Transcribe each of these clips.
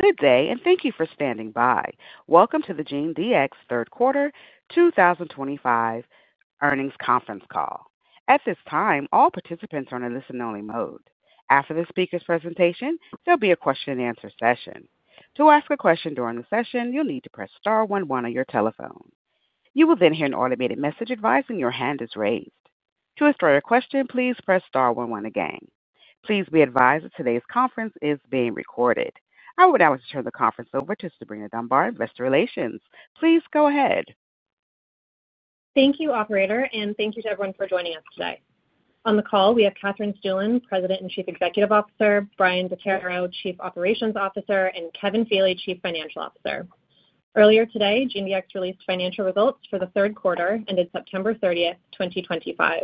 Good day, and thank you for standing by. Welcome to the GeneDx third quarter 2025 earnings conference call. At this time, all participants are in a listen-only mode. After the speaker's presentation, there'll be a question-and-answer session. To ask a question during the session, you'll need to press star one-one on your telephone. You will then hear an automated message advising your hand is raised. To start a question, please press star one-one again. Please be advised that today's conference is being recorded. I would now like to turn the conference over to Sabrina Dunbar. Best relations, please go ahead. Thank you, operator, and thank you to everyone for joining us today. On the call, we have Katherine Stueland, President and Chief Executive Officer, Bryan Dechairo, Chief Operating Officer, and Kevin Feeley, Chief Financial Officer. Earlier today, GeneDx released financial results for the third quarter ended September 30, 2025.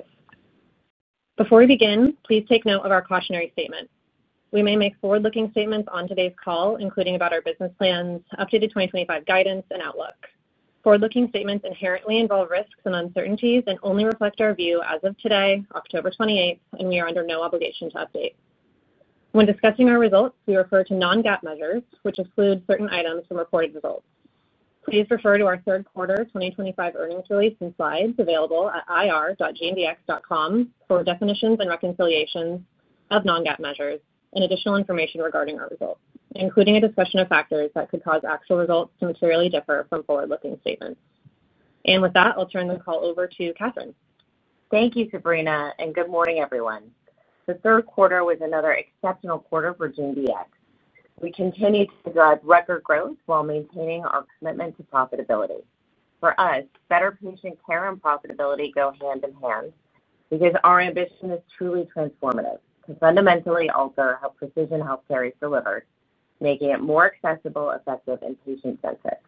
Before we begin, please take note of our cautionary statements. We may make forward-looking statements on today's call, including about our business plans, updated 2025 guidance, and outlook. Forward-looking statements inherently involve risks and uncertainties and only reflect our view as of today, October 28, and we are under no obligation to update. When discussing our results, we refer to non-GAAP measures, which exclude certain items from reported results. Please refer to our third quarter 2025 earnings release and slides available at ir.genedx.com for definitions and reconciliations of non-GAAP measures and additional information regarding our results, including a discussion of factors that could cause actual results to materially differ from forward-looking statements. With that, I'll turn the call over to Katherine. Thank you, Sabrina, and good morning, everyone. The third quarter was another exceptional quarter for GeneDx. We continue to drive record growth while maintaining our commitment to profitability. For us, better patient care and profitability go hand in hand because our ambition is truly transformative to fundamentally alter how precision healthcare is delivered, making it more accessible, effective, and patient-centric.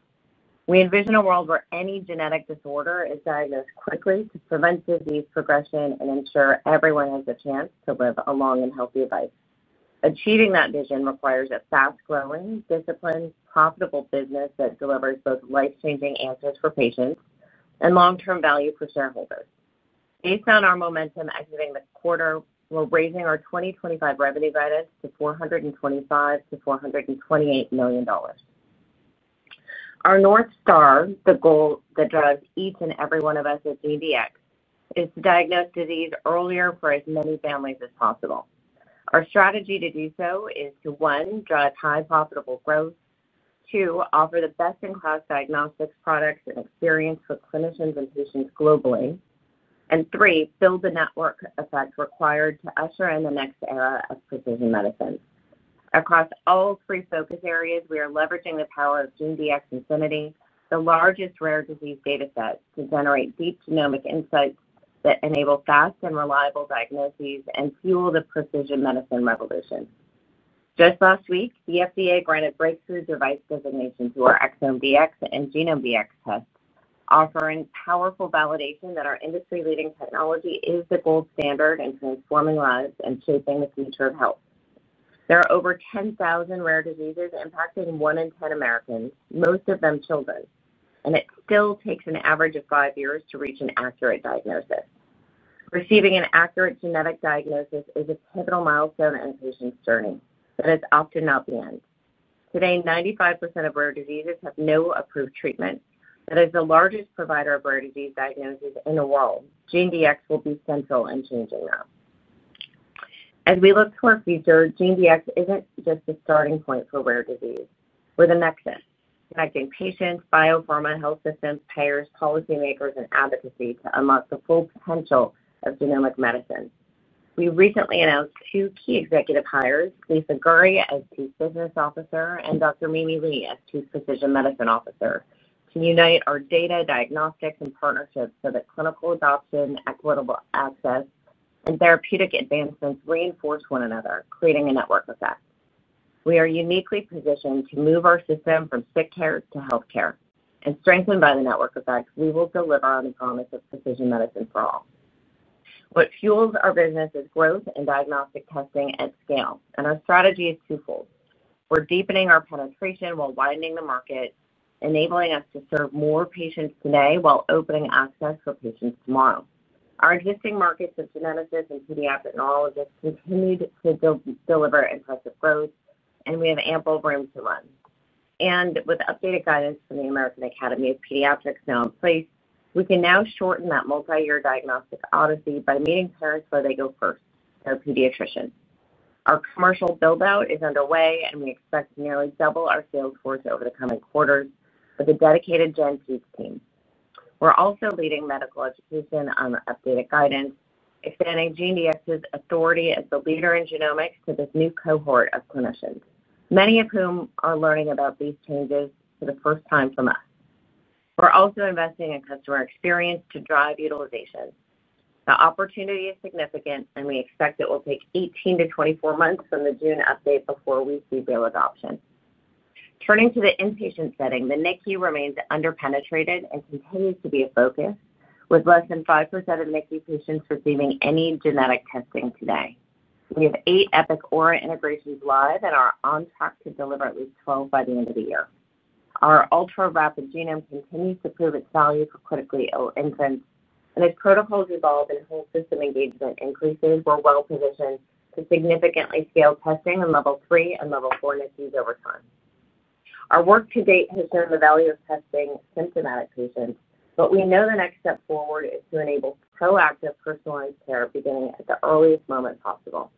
We envision a world where any genetic disorder is diagnosed quickly to prevent disease progression and ensure everyone has a chance to live a long and healthy life. Achieving that vision requires a fast-growing, disciplined, profitable business that delivers both life-changing answers for patients and long-term value for shareholders. Based on our momentum exiting this quarter, we're raising our 2025 revenue guidance to $425 million-$428 million. Our North Star, the goal that drives each and every one of us at GeneDx, is to diagnose disease earlier for as many families as possible. Our strategy to do so is to, one, Drive high profitable growth, two, offer the Best-in-class diagnostics products and experience for clinicians and patients globally, and three, Build the network effects required to usher in the next era of precision medicine. Across all three focus areas, we are leveraging the power of GeneDx Infinity, the largest rare disease data set, to generate deep genomic insights that enable fast and reliable diagnoses and fuel the precision medicine revolution. Just last week, the FDA granted breakthrough device designation to our ExomeDx and GenomeDx tests, offering powerful validation that our industry-leading technology is the gold standard in transforming lives and shaping the future of health. There are over 10,000 rare diseases impacting one in 10 Americans, most of them children, and it still takes an average of five years to reach an accurate diagnosis. Receiving an accurate genetic diagnosis is a pivotal milestone in a patient's journey that is often not planned. Today, 95% of rare diseases have no approved treatment. That is the largest provider of rare disease diagnoses in the world. GeneDx will be central in changing that. As we look toward the future, GeneDx isn't just a starting point for rare disease. We're the nexus connecting patients, Biopharma Health Systems, Payers, Policymakers, and Advocacy to unlock the full potential of genomic medicine. We recently announced two key executive hires: Lisa Gurry as Chief Business Officer and Dr. Mimi Lee as Chief Precision Medicine Officer, to unite our data diagnostics and partnerships so that clinical adoption, equitable access, and therapeutic advancements reinforce one another, creating a network effect. We are uniquely positioned to move our system from sick care to healthcare. Strengthened by the network effects, we will deliver on the promise of precision medicine for all. What fuels our business is growth and diagnostic testing at scale, and our strategy is twofold. We're deepening our penetration while widening the market, enabling us to serve more patients today while opening access for patients tomorrow. Our existing markets of geneticists and pediatric neurologists continue to deliver impressive growth, and we have ample room to run. With updated guidance from the American Academy of Pediatrics now in place, we can now shorten that multi-year diagnostic odyssey by meeting parents where they go first, their pediatrician. Our commercial buildout is underway, and we expect to nearly double our sales force over the coming quarters with a dedicated GenPeak team. We're also leading medical education on updated guidance, expanding GeneDx's authority as the leader in genomics to this new cohort of clinicians, many of whom are learning about these changes for the first time from us. We're also investing in customer experience to drive utilization. The opportunity is significant, and we expect it will take 18 months-24 months from the June update before we see real adoption. Turning to the inpatient setting, the NICU remains underpenetrated and continues to be a focus, with less than 5% of NICU patients receiving any genetic testing today. We have eight Epic Aura integrations live and are on track to deliver at least 12 by the end of the year. Our ultra-rapid genome continues to prove its value for critically ill infants, and as protocols evolve and whole system engagement increases, we're well-positioned to significantly scale testing in level III and level IV NICUs over time. Our work to date has shown the value of testing symptomatic patients, but we know the next step forward is to enable proactive personalized care, beginning at the earliest moment possible.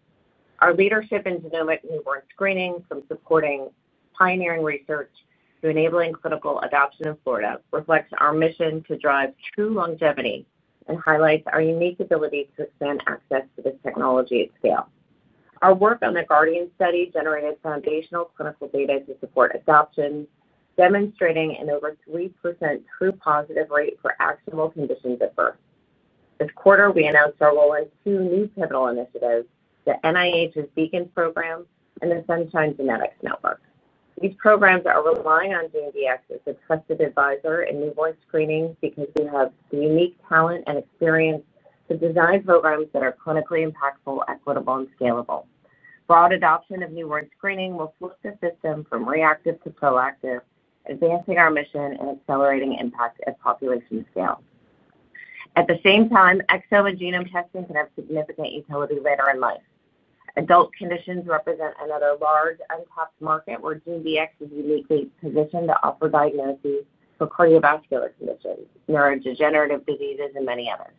Our leadership in genomic newborn screening, from supporting pioneering research to enabling clinical adoption in Florida, reflects our mission to drive true longevity and highlights our unique ability to expand access to this technology at scale. Our work on the Guardian study generated foundational clinical data to support adoption, demonstrating an over 3% true positive rate for actionable conditions at birth. This quarter, we announced our role in two new pivotal initiatives: the NIH's Beacon Program and the Sunshine Genetics Network. These programs are relying on GeneDx as a trusted advisor in newborn screening because we have the unique talent and experience to design programs that are clinically impactful, equitable, and scalable. Broad adoption of newborn screening will flip the system from reactive to proactive, advancing our mission and accelerating impact at population scale. At the same time, exome and genome testing can have significant utility later in life. Adult conditions represent another large untapped market where GeneDx is uniquely positioned to offer diagnoses for cardiovascular conditions, neurodegenerative diseases, and many others.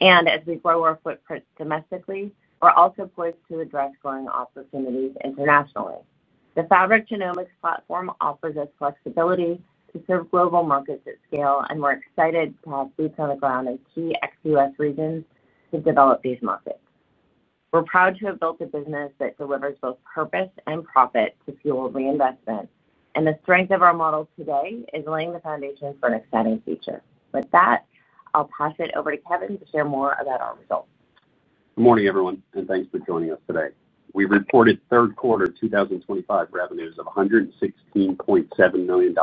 As we grow our footprint domestically, we're also poised to address growing opportunities internationally. The Fabric Genomics platform offers us flexibility to serve global markets at scale, and we're excited to have boots on the ground in key ex-US regions to develop these markets. We're proud to have built a business that delivers both purpose and profit to fuel reinvestment, and the strength of our model today is laying the foundation for an exciting future. With that, I'll pass it over to Kevin to share more about our results. Good morning, everyone, and thanks for joining us today. We reported third quarter 2025 revenues of $116.7 million,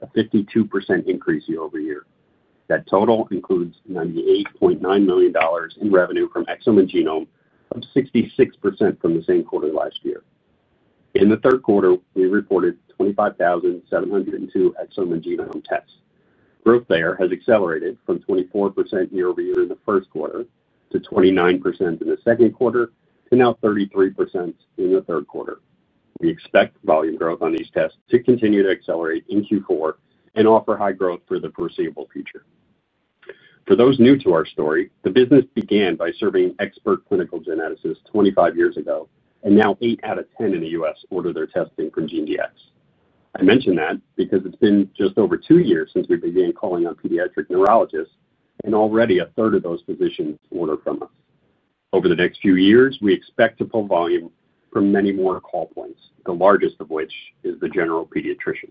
a 52% increase year-over-year. That total includes $98.9 million in revenue from exome and genome, up 66% from the same quarter last year. In the third quarter, we reported 25,702 exome and genome tests. Growth there has accelerated from 24% year-over-year in the first quarter to 29% in the second quarter to now 33% in the third quarter. We expect volume growth on these tests to continue to accelerate in Q4 and offer high growth for the foreseeable future. For those new to our story, the business began by serving expert clinical geneticists 25 years ago, and now eight out of ten in the U.S. order their testing from GeneDx. I mention that because it's been just over two years since we began calling on pediatric neurologists, and already a third of those physicians order from us. Over the next few years, we expect to pull volume from many more call points, the largest of which is the general pediatrician.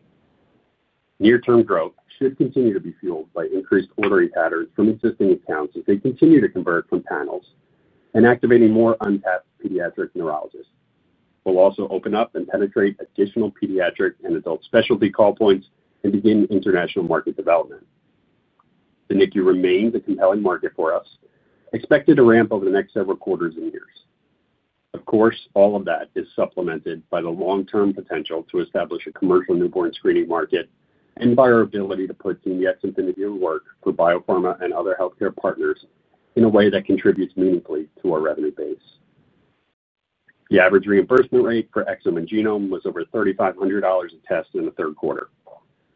Near-term growth should continue to be fueled by increased ordering patterns from existing accounts as they continue to convert from panels and activating more untapped pediatric neurologists. We'll also open up and penetrate additional pediatric and adult specialty call points and begin international market development. The NICU remains a compelling market for us, expected to ramp over the next several quarters and years. Of course, all of that is supplemented by the long-term potential to establish a commercial newborn screening market and by our ability to put GeneDx's immediate work for biopharma and other healthcare partners in a way that contributes meaningfully to our revenue base. The average reimbursement rate for exome and genome was over $3,500 a test in the third quarter.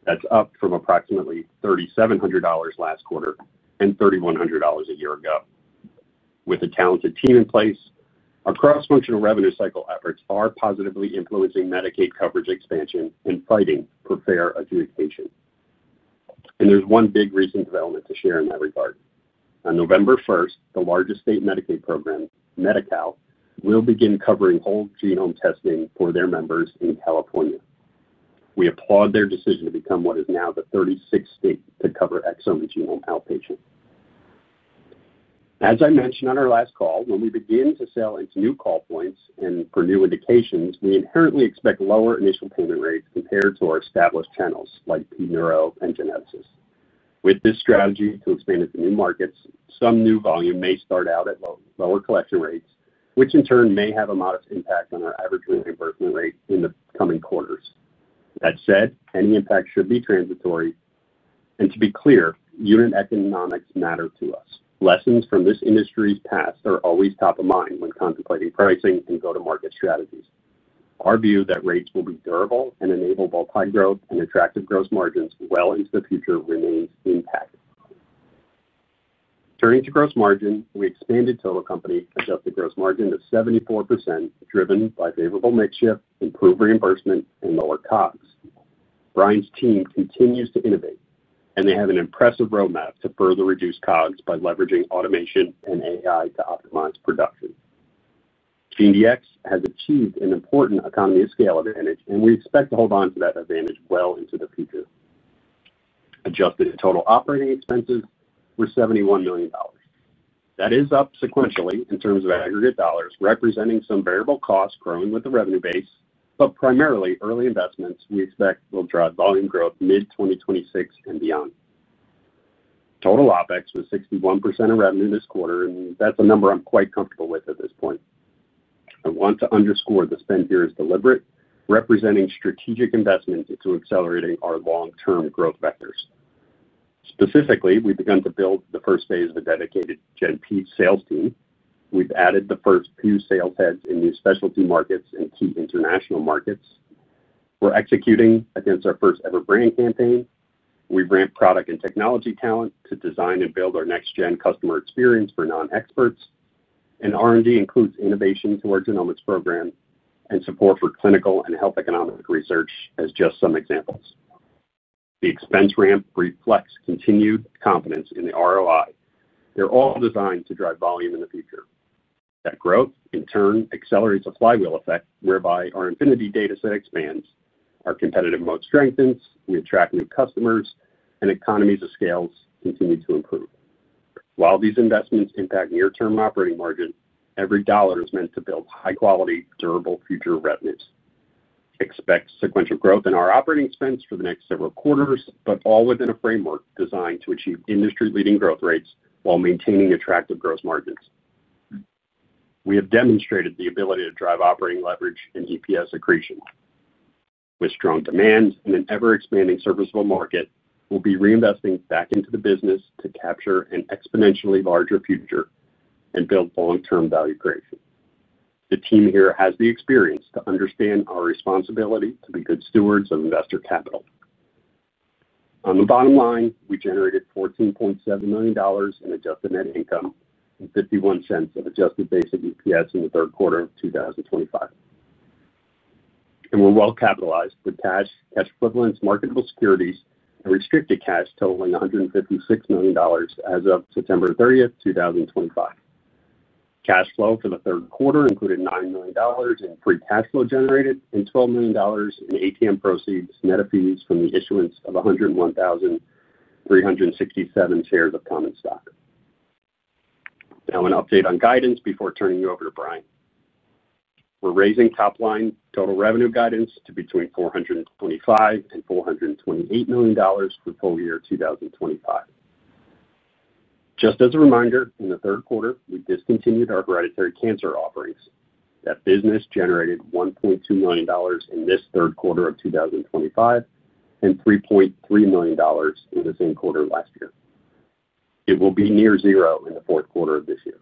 That's up from approximately $3,700 last quarter and $3,100 a year ago. With a talented team in place, our cross-functional revenue cycle efforts are positively influencing Medicaid coverage expansion and fighting for fair adjudication. There's one big recent development to share in that regard. On November 1, the largest state Medicaid program, Medi-Cal, will begin covering whole genome testing for their members in California. We applaud their decision to become what is now the 36th state to cover exome and genome outpatient. As I mentioned on our last call, when we begin to sell into new call points and for new indications, we inherently expect lower initial payment rates compared to our established channels like pNeuro and Geneticists. With this strategy to expand into new markets, some new volume may start out at lower collection rates, which in turn may have a modest impact on our average reimbursement rate in the coming quarters. That said, any impact should be transitory. To be clear, unit economics matter to us. Lessons from this industry's past are always top of mind when contemplating pricing and go-to-market strategies. Our view that rates will be durable and enable both high growth and attractive gross margins well into the future remains intact. Turning to gross margin, we expanded Total Company adjusted gross margin to 74%, driven by favorable mix shift, improved reimbursement, and lower COGS. Bryan's team continues to innovate, and they have an impressive roadmap to further reduce COGS by leveraging automation and AI to optimize production. GeneDx has achieved an important economy of scale advantage, and we expect to hold on to that advantage well into the future. Adjusted total operating expenses were $71 million. That is up sequentially in terms of aggregate dollars, representing some variable costs growing with the revenue base, but primarily early investments we expect will drive volume growth mid-2026 and beyond. Total OpEx was 61% of revenue this quarter, and that's a number I'm quite comfortable with at this point. I want to underscore the spend here is deliberate, representing strategic investments into accelerating our long-term growth vectors. Specifically, we've begun to build the first phase of a dedicated GenPeak sales team. We've added the first two sales heads in new specialty markets and key international markets. We're executing against our first-ever brand campaign. We ramp product and technology talent to design and build our next-gen customer experience for non-experts. R&D includes innovation to our genomics program and support for clinical and health economic research, as just some examples. The expense ramp reflects continued confidence in the ROI. They're all designed to drive volume in the future. That growth, in turn, accelerates a flywheel effect whereby our Infinity database expands, our competitive moat strengthens, we attract new customers, and economies of scale continue to improve. While these investments impact near-term operating margin, every dollar is meant to build high-quality, durable future revenues. Expect sequential growth in our operating expense for the next several quarters, all within a framework designed to achieve industry-leading growth rates while maintaining attractive gross margins. We have demonstrated the ability to drive operating leverage and EPS accretion. With strong demand and an ever-expanding serviceable market, we'll be reinvesting back into the business to capture an exponentially larger future and build long-term value creation. The team here has the experience to understand our responsibility to be good stewards of investor capital. On the bottom line, we generated $14.7 million in adjusted net income and $0.51 of adjusted basic EPS in the third quarter of 2025. We're well capitalized with cash, cash equivalents, marketable securities, and restricted cash totaling $156 million as of September 30, 2025. Cash flow for the third quarter included $9 million in free cash flow generated and $12 million in ATM proceeds, net of fees from the issuance of 101,367 shares of common stock. Now an update on guidance before turning you over to Bryan. We're raising top-line total revenue guidance to between $425 million and $428 million for full year 2025. Just as a reminder, in the third quarter, we discontinued our hereditary cancer offerings. That business generated $1.2 million in this third quarter of 2025 and $3.3 million in the same quarter last year. It will be near zero in the fourth quarter of this year.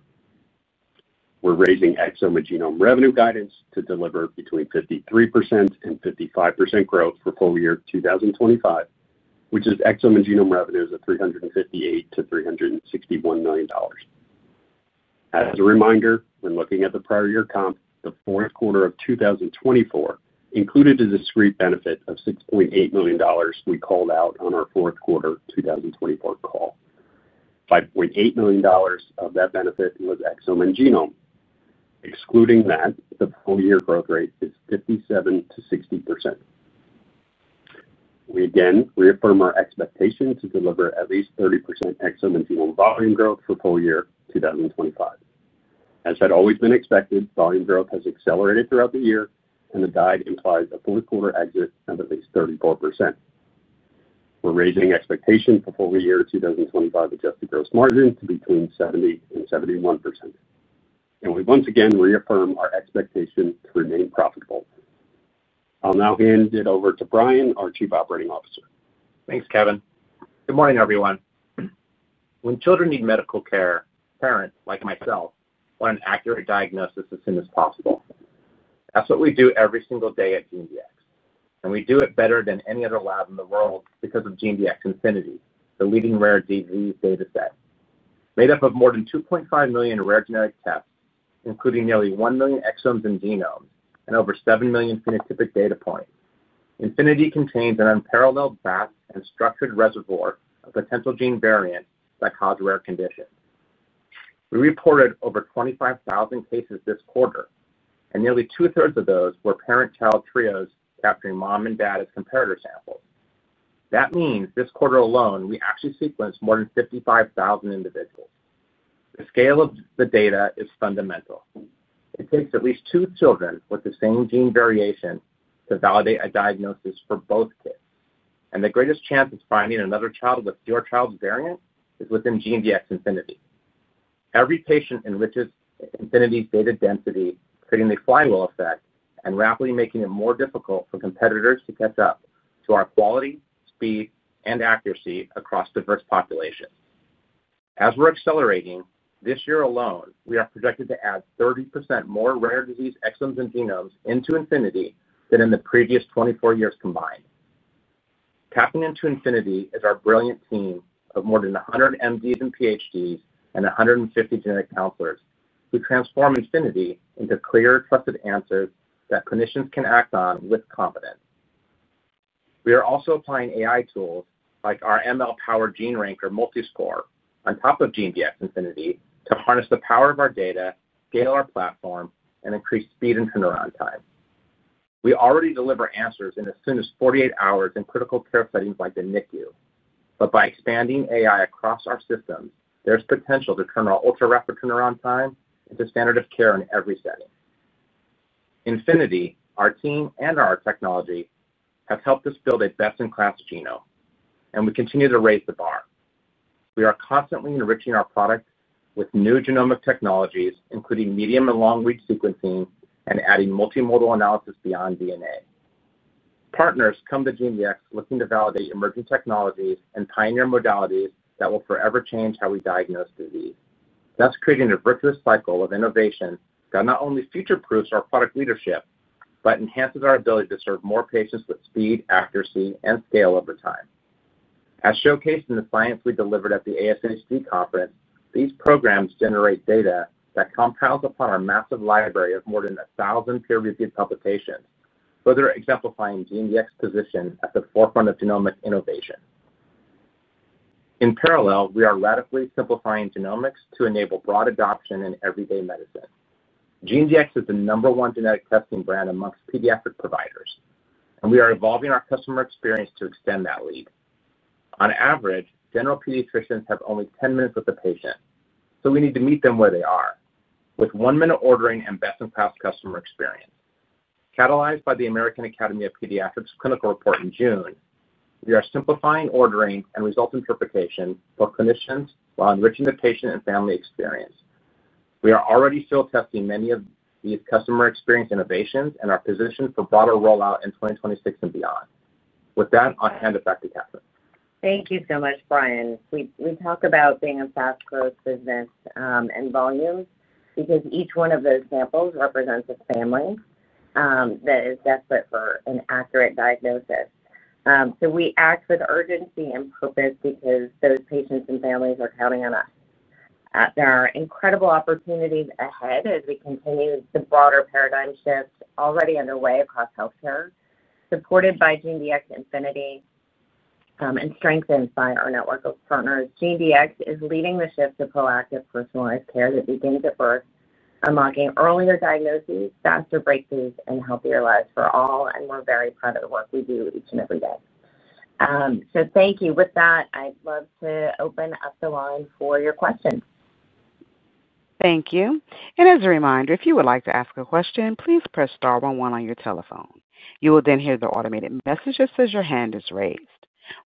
We're raising exome and genome revenue guidance to deliver between 53% and 55% growth for full year 2025, which is exome and genome revenues of $358 million-$361 million. As a reminder, when looking at the prior year comp, the fourth quarter of 2024 included a discrete benefit of $6.8 million we called out on our fourth quarter 2024 call. $5.8 million of that benefit was exome and genome. Excluding that, the full year growth rate is 57%-60%. We again reaffirm our expectation to deliver at least 30% exome and genome volume growth for full year 2025. As had always been expected, volume growth has accelerated throughout the year, and the guide implies a fourth quarter exit of at least 34%. We're raising expectation for full year 2025 adjusted gross margin to between 70% and 71%. We once again reaffirm our expectation to remain profitable. I'll now hand it over to Bryan, our Chief Operating Officer. Thanks, Kevin. Good morning, everyone. When children need medical care, parents like myself want an accurate diagnosis as soon as possible. That's what we do every single day at GeneDx. We do it better than any other lab in the world because of GeneDx Infinity, the leading rare disease data set. Made up of more than 2.5 million rare genetic tests, including nearly 1 million exomes and genomes and over 7 million phenotypic data points, Infinity contains an unparalleled vast and structured reservoir of potential gene variants that cause rare conditions. We reported over 25,000 cases this quarter, and nearly 2/3 of those were parent-child trios capturing mom and dad as comparator samples. That means this quarter alone, we actually sequenced more than 55,000 individuals. The scale of the data is fundamental. It takes at least two children with the same gene variation to validate a diagnosis for both kids. The greatest chance of finding another child with your child's variant is within GeneDx Infinity. Every patient enriches Infinity's data density, creating the flywheel effect and rapidly making it more difficult for competitors to catch up to our quality, speed, and accuracy across diverse populations. As we're accelerating, this year alone, we are projected to add 30% more rare disease exomes and genomes into Infinity than in the previous 24 years combined. Tapping into Infinity is our brilliant team of more than 100 MDs and PhDs and 150 genetic counselors who transform Infinity into clear, trusted answers that clinicians can act on with confidence. We are also applying AI-powered tools like our Multiscore gene ranker on top of GeneDx Infinity to harness the power of our data, scale our platform, and increase speed and turnaround time. We already deliver answers in as soon as 48 hours in critical care settings like the NICU. By expanding AI across our systems, there's potential to turn our ultra-rapid turnaround time into standard of care in every setting. Infinity, our team, and our technology have helped us build a best-in-class genome, and we continue to raise the bar. We are constantly enriching our products with new genomic technologies, including medium and long-reach sequencing and adding multimodal analysis beyond DNA. Partners come to GeneDx looking to validate emerging technologies and pioneer modalities that will forever change how we diagnose disease. That's creating a virtuous cycle of innovation that not only future-proofs our product leadership but enhances our ability to serve more patients with speed, accuracy, and scale over time. As showcased in the science we delivered at the ASHD conference, these programs generate data that compounds upon our massive library of more than 1,000 peer-reviewed publications, further exemplifying GeneDx's position at the forefront of genomic innovation. In parallel, we are radically simplifying genomics to enable broad adoption in everyday medicine. GeneDx is the number one genetic testing brand amongst pediatric providers, and we are evolving our customer experience to extend that lead. On average, general pediatricians have only 10 minutes with the patient, so we need to meet them where they are with one-minute ordering and best-in-class customer experience. Catalyzed by the American Academy of Pediatrics' clinical report in June, we are simplifying ordering and result interpretation for clinicians while enriching the patient and family experience. We are already field testing many of these customer experience innovations and are positioned for broader rollout in 2026 and beyond. With that, I'll hand it back to Katherine. Thank you so much, Bryan. We talk about being a fast-growth business in volumes because each one of those samples represents a family that is desperate for an accurate diagnosis. We act with urgency and purpose because those patients and families are counting on us. There are incredible opportunities ahead as we continue the broader paradigm shift already underway across healthcare, supported by GeneDx Infinity and strengthened by our network of partners. GeneDx is leading the shift to proactive personalized care that begins at birth, unlocking earlier diagnoses, faster breakthroughs, and healthier lives for all, and we're very proud of the work we do each and every day. Thank you. With that, I'd love to open up the line for your questions. Thank you. As a reminder, if you would like to ask a question, please press star one-one on your telephone. You will then hear the automated message that says your hand is raised.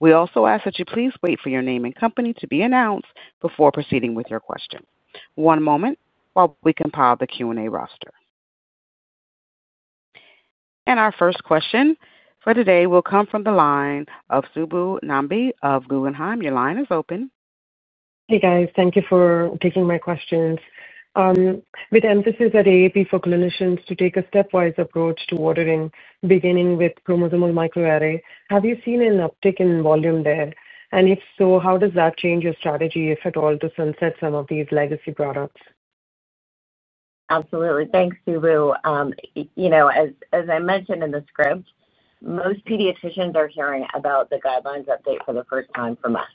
We also ask that you please wait for your name and company to be announced before proceeding with your question. One moment while we compile the Q&A roster. Our first question for today will come from the line of Subbu Nambi of Guggenheim. Your line is open. Hey, guys. Thank you for taking my questions. With the emphasis at the AAP for clinicians to take a stepwise approach to ordering, beginning with chromosomal micro-array, have you seen an uptick in volume there? If so, how does that change your strategy, if at all, to sunset some of these legacy products? Absolutely. Thanks, Subbu. As I mentioned in the script, most pediatricians are hearing about the guidelines update for the first time from us.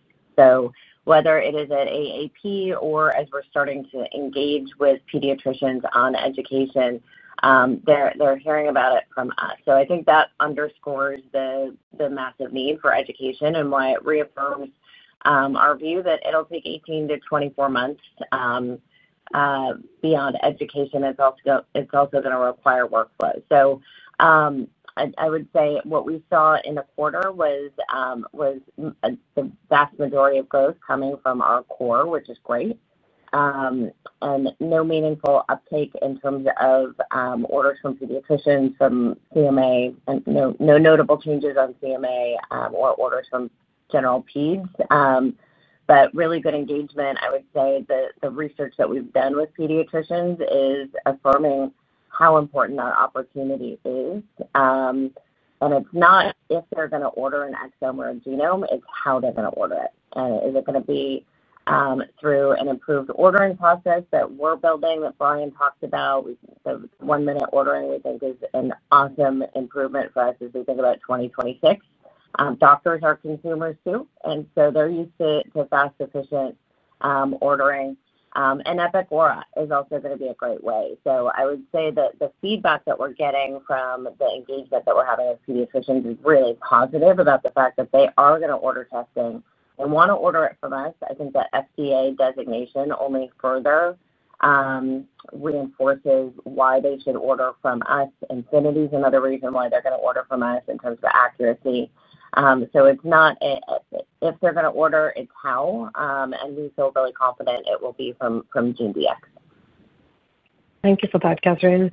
Whether it is at AAP or as we're starting to engage with pediatricians on education, they're hearing about it from us. I think that underscores the massive need for education and why it reaffirms our view that it'll take 18-24 months. Beyond education, it's also going to require workflow. I would say what we saw in the quarter was the vast majority of growth coming from our core, which is great, and no meaningful uptake in terms of orders from pediatricians, from CMA, and no notable changes on CMA or orders from general peds, but really good engagement. I would say that the research that we've done with pediatricians is affirming how important that opportunity is. It's not if they're going to order an exome or a genome, it's how they're going to order it. Is it going to be through an improved ordering process that we're building that Bryan talked about? We think the one-minute ordering is an awesome improvement for us as we think about 2026. Doctors are consumers too, and they're used to fast, efficient ordering. Epic Aura integration is also going to be a great way. I would say that the feedback that we're getting from the engagement that we're having with pediatricians is really positive about the fact that they are going to order testing and want to order it from us. I think that FDA breakthrough device designation only further reinforces why they should order from us. Infinity database is another reason why they're going to order from us in terms of accuracy. It's not if they're going to order, it's how, and we feel really confident it will be from GeneDx. Thank you for that, Katherine.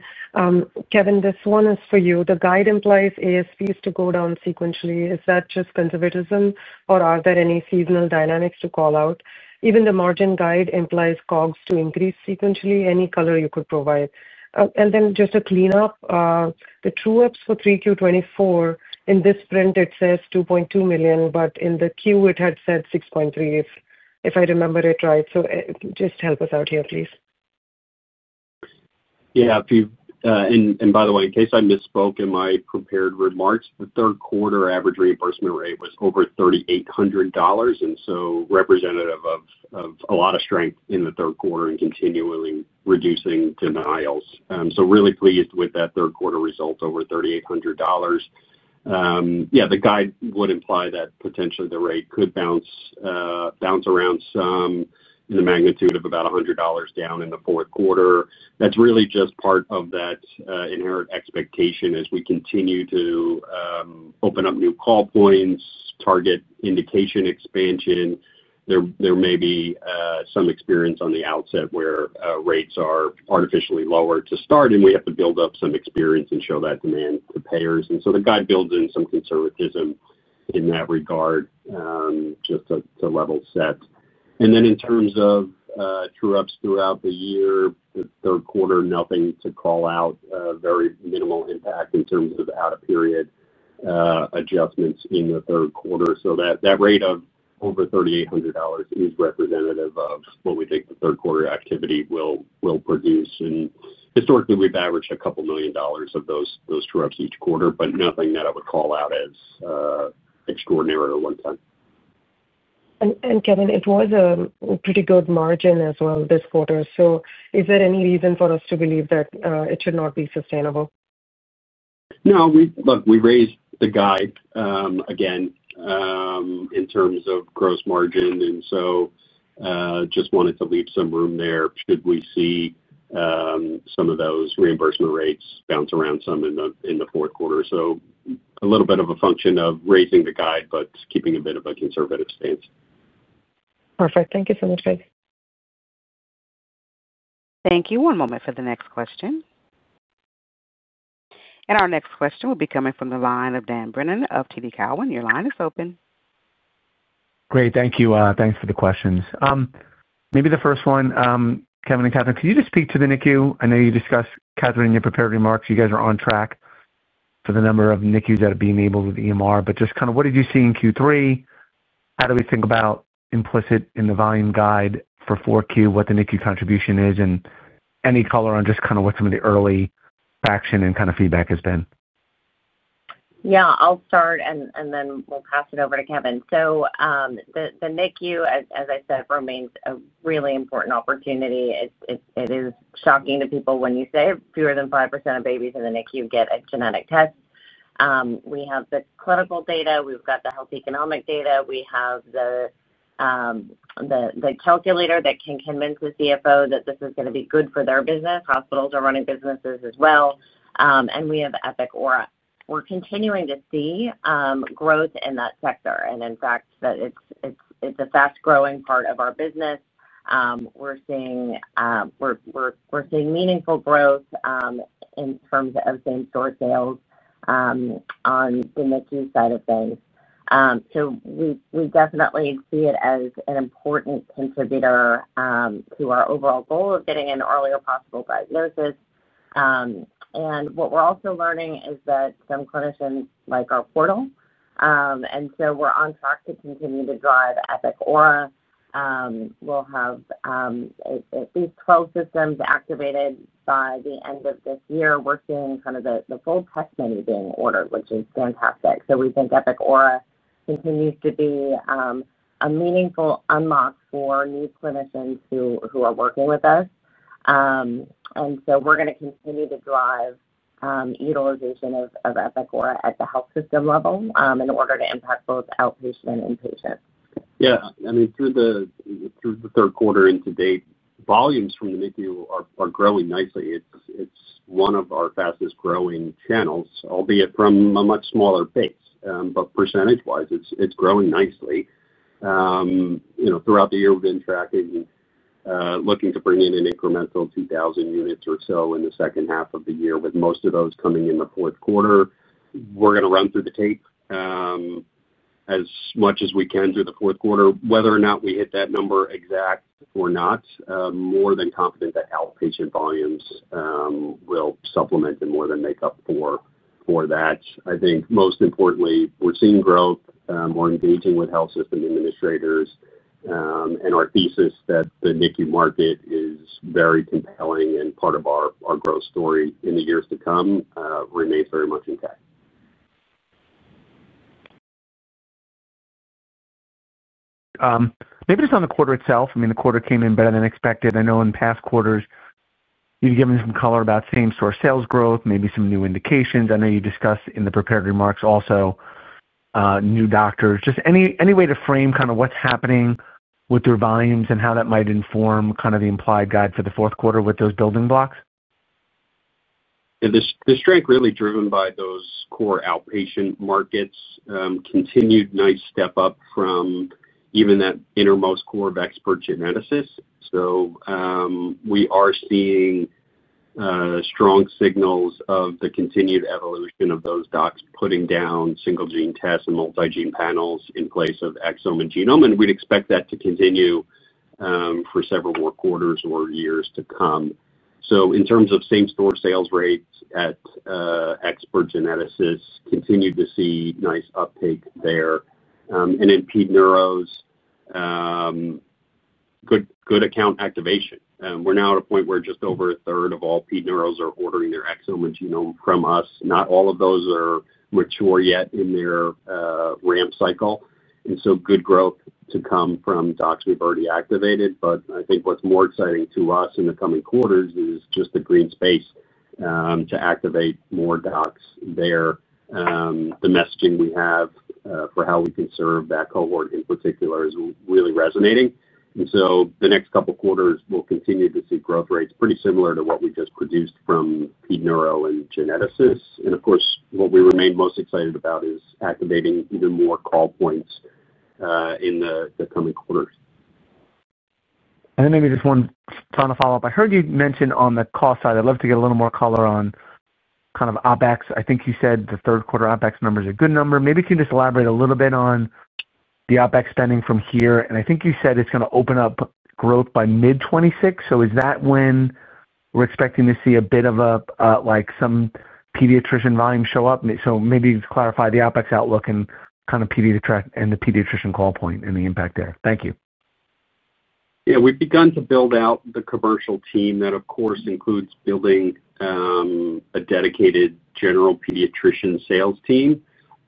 Kevin, this one is for you. The guide implies ASPs to go down sequentially. Is that just conservatism, or are there any seasonal dynamics to call out? Even the margin guide implies COGS to increase sequentially. Any color you could provide? And then just to clean up, the true EPS for 3Q24, in this print, it says $2.2 million, but in the queue, it had said $6.3 million, if I remember it right. Just help us out here, please. Yeah. By the way, in case I misspoke in my prepared remarks, the third quarter average reimbursement rate was over $3,800, representative of a lot of strength in the third quarter and continually reducing denials. Really pleased with that third quarter result over $3,800. The guide would imply that potentially the rate could bounce around some in the magnitude of about $100 down in the fourth quarter. That is really just part of that inherent expectation as we continue to open up new call points, target indication expansion. There may be some experience on the outset where rates are artificially lower to start, and we have to build up some experience and show that demand to payers. The guide builds in some conservatism in that regard, just to level set. In terms of true EPS throughout the year, the third quarter, nothing to call out, very minimal impact in terms of out-of-period adjustments in the third quarter. That rate of over $3,800 is representative of what we think the third quarter activity will produce. Historically, we've averaged a couple million dollars of those true EPS each quarter, but nothing that I would call out as extraordinary or one-time. Kevin, it was a pretty good margin as well this quarter. Is there any reason for us to believe that it should not be sustainable? Look, we raised the guide, again, in terms of gross margin. I just wanted to leave some room there should we see some of those reimbursement rates bounce around in the fourth quarter. It is a little bit of a function of raising the guide, but keeping a bit of a conservative stance. Perfect. Thank you so much, guys. Thank you. One moment for the next question. Our next question will be coming from the line of Dan Brennan of TD Cowen. Your line is open. Great. Thank you. Thanks for the questions. Maybe the first one, Kevin and Katherine, could you just speak to the NICU? I know you discussed, Katherine, in your prepared remarks, you guys are on track for the number of NICUs that are being enabled with EMR. Just kind of what did you see in Q3? How do we think about implicit in the volume guide for Q4, what the NICU contribution is, and any color on just kind of what some of the early action and kind of feedback has been? Yeah. I'll start, and then we'll pass it over to Kevin. The NICU, as I said, remains a really important opportunity. It is shocking to people when you say fewer than 5% of babies in the NICU get a genetic test. We have the clinical data. We've got the health economic data. We have the calculator that can convince the CFO that this is going to be good for their business. Hospitals are running businesses as well. We have Epic Aura. We're continuing to see growth in that sector. In fact, it's a fast-growing part of our business. We're seeing meaningful growth in terms of same-store sales on the NICU side of things. We definitely see it as an important contributor to our overall goal of getting an earlier possible diagnosis. What we're also learning is that some clinicians like our portal, and we're on track to continue to drive Epic Aura. We'll have at least 12 systems activated by the end of this year. We're seeing the full test menu being ordered, which is fantastic. We think Epic Aura continues to be a meaningful unlock for new clinicians who are working with us, and we're going to continue to drive utilization of Epic Aura at the health system level in order to impact both outpatient and inpatient. Yeah. Through the third quarter and to date, volumes from the NICU are growing nicely. It's one of our fastest-growing channels, albeit from a much smaller pace, but percentage-wise, it's growing nicely. Throughout the year, we've been tracking, looking to bring in an incremental 2,000 units or so in the second half of the year, with most of those coming in the fourth quarter. We're going to run through the tape as much as we can through the fourth quarter. Whether or not we hit that number exact or not, more than confident that outpatient volumes will supplement and more than make up for that. I think most importantly, we're seeing growth. We're engaging with health system administrators, and our thesis that the NICU market is very compelling and part of our growth story in the years to come remains very much intact. Maybe just on the quarter itself. The quarter came in better than expected. I know in past quarters, you've given some color about same-store sales growth, maybe some new indications. I know you discussed in the prepared remarks also, new doctors. Is there any way to frame kind of what's happening with their volumes and how that might inform the implied guide for the fourth quarter with those building blocks? Yeah. The strength really driven by those core outpatient markets, continued nice step up from even that innermost core of expert geneticists. We are seeing strong signals of the continued evolution of those docs putting down single-gene tests and multi-gene panels in place of exome and genome. We'd expect that to continue for several more quarters or years to come. In terms of same-store sales rates at expert geneticists, continued to see nice uptake there. In pNeuros, good account activation. We're now at a point where just over a third of all pNeuros are ordering their exome and genome from us. Not all of those are mature yet in their ramp cycle, so good growth to come from docs we've already activated. What is more exciting to us in the coming quarters is just the green space to activate more docs there. The messaging we have for how we can serve that cohort in particular is really resonating. The next couple of quarters, we'll continue to see growth rates pretty similar to what we just produced from pNeuro and geneticists. Of course, what we remain most excited about is activating even more call points in the coming quarters. I heard you mention on the cost side, I'd love to get a little more color on kind of OpEx. I think you said the third quarter OpEx numbers are a good number. Maybe you can just elaborate a little bit on the OpEx spending from here. I think you said it's going to open up growth by mid-2026. Is that when we're expecting to see a bit of a, like some pediatrician volume show up? Maybe just clarify the OpEx outlook and kind of the pediatrician call point and the impact there. Thank you. Yeah. We've begun to build out the commercial team that, of course, includes building a dedicated general pediatrician sales team.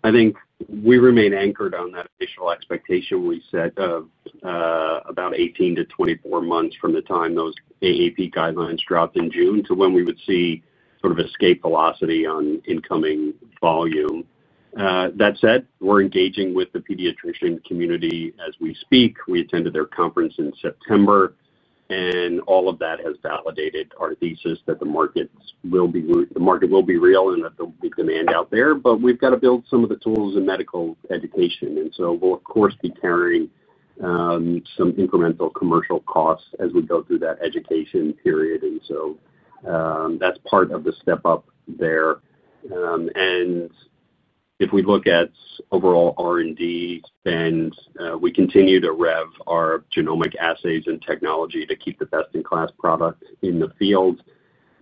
I think we remain anchored on that initial expectation we set of about 18-24 months from the time those AAP guidelines drop in June to when we would see sort of escape velocity on incoming volume. That said, we're engaging with the pediatrician community as we speak. We attended their conference in September, and all of that has validated our thesis that the market will be real and that there will be demand out there. We've got to build some of the tools in medical education. We'll, of course, be carrying some incremental commercial costs as we go through that education period. That's part of the step up there. If we look at overall R&D spend, we continue to rev our genomic assays and technology to keep the best-in-class product in the field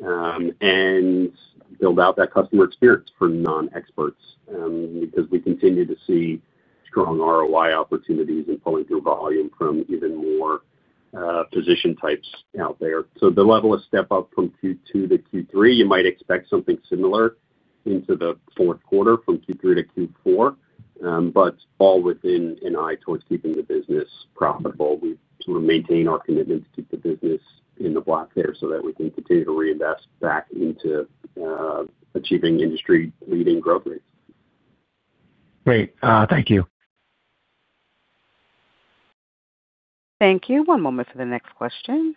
and build out that customer experience for non-experts, because we continue to see strong ROI opportunities and pulling through volume from even more position types out there. The level of step up from Q2-Q3, you might expect something similar into the fourth quarter from Q3-Q4, but fall within an eye towards keeping the business profitable. We've sort of maintained our commitment to keep the business in the black there so that we can continue to reinvest back into achieving industry-leading growth rates. Great. Thank you. Thank you. One moment for the next question.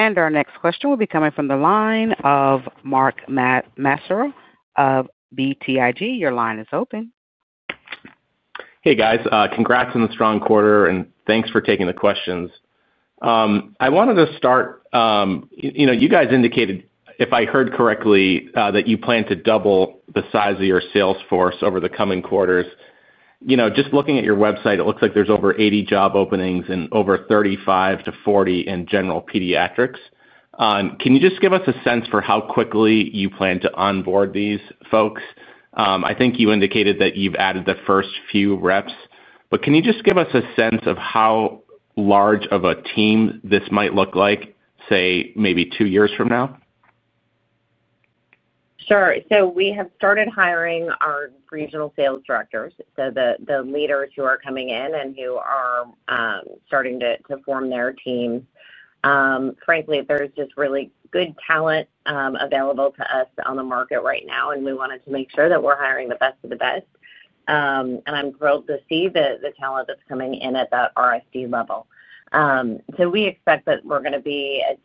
Our next question will be coming from the line of Mark Massaro of BTIG. Your line is open. Hey, guys. Congrats on the strong quarter, and thanks for taking the questions. I wanted to start, you know, you guys indicated, if I heard correctly, that you plan to double the size of your sales force over the coming quarters. Just looking at your website, it looks like there's over 80 job openings and over 35-40 in general pediatrics. Can you just give us a sense for how quickly you plan to onboard these folks? I think you indicated that you've added the first few reps, but can you just give us a sense of how large of a team this might look like, say, maybe two years from now? Sure. We have started hiring our Regional Sales Directors, the leaders who are coming in and who are starting to form their teams. Frankly, there's just really good talent available to us on the market right now, and we wanted to make sure that we're hiring the best of the best. I'm thrilled to see the talent that's coming in at that RSD level. We expect that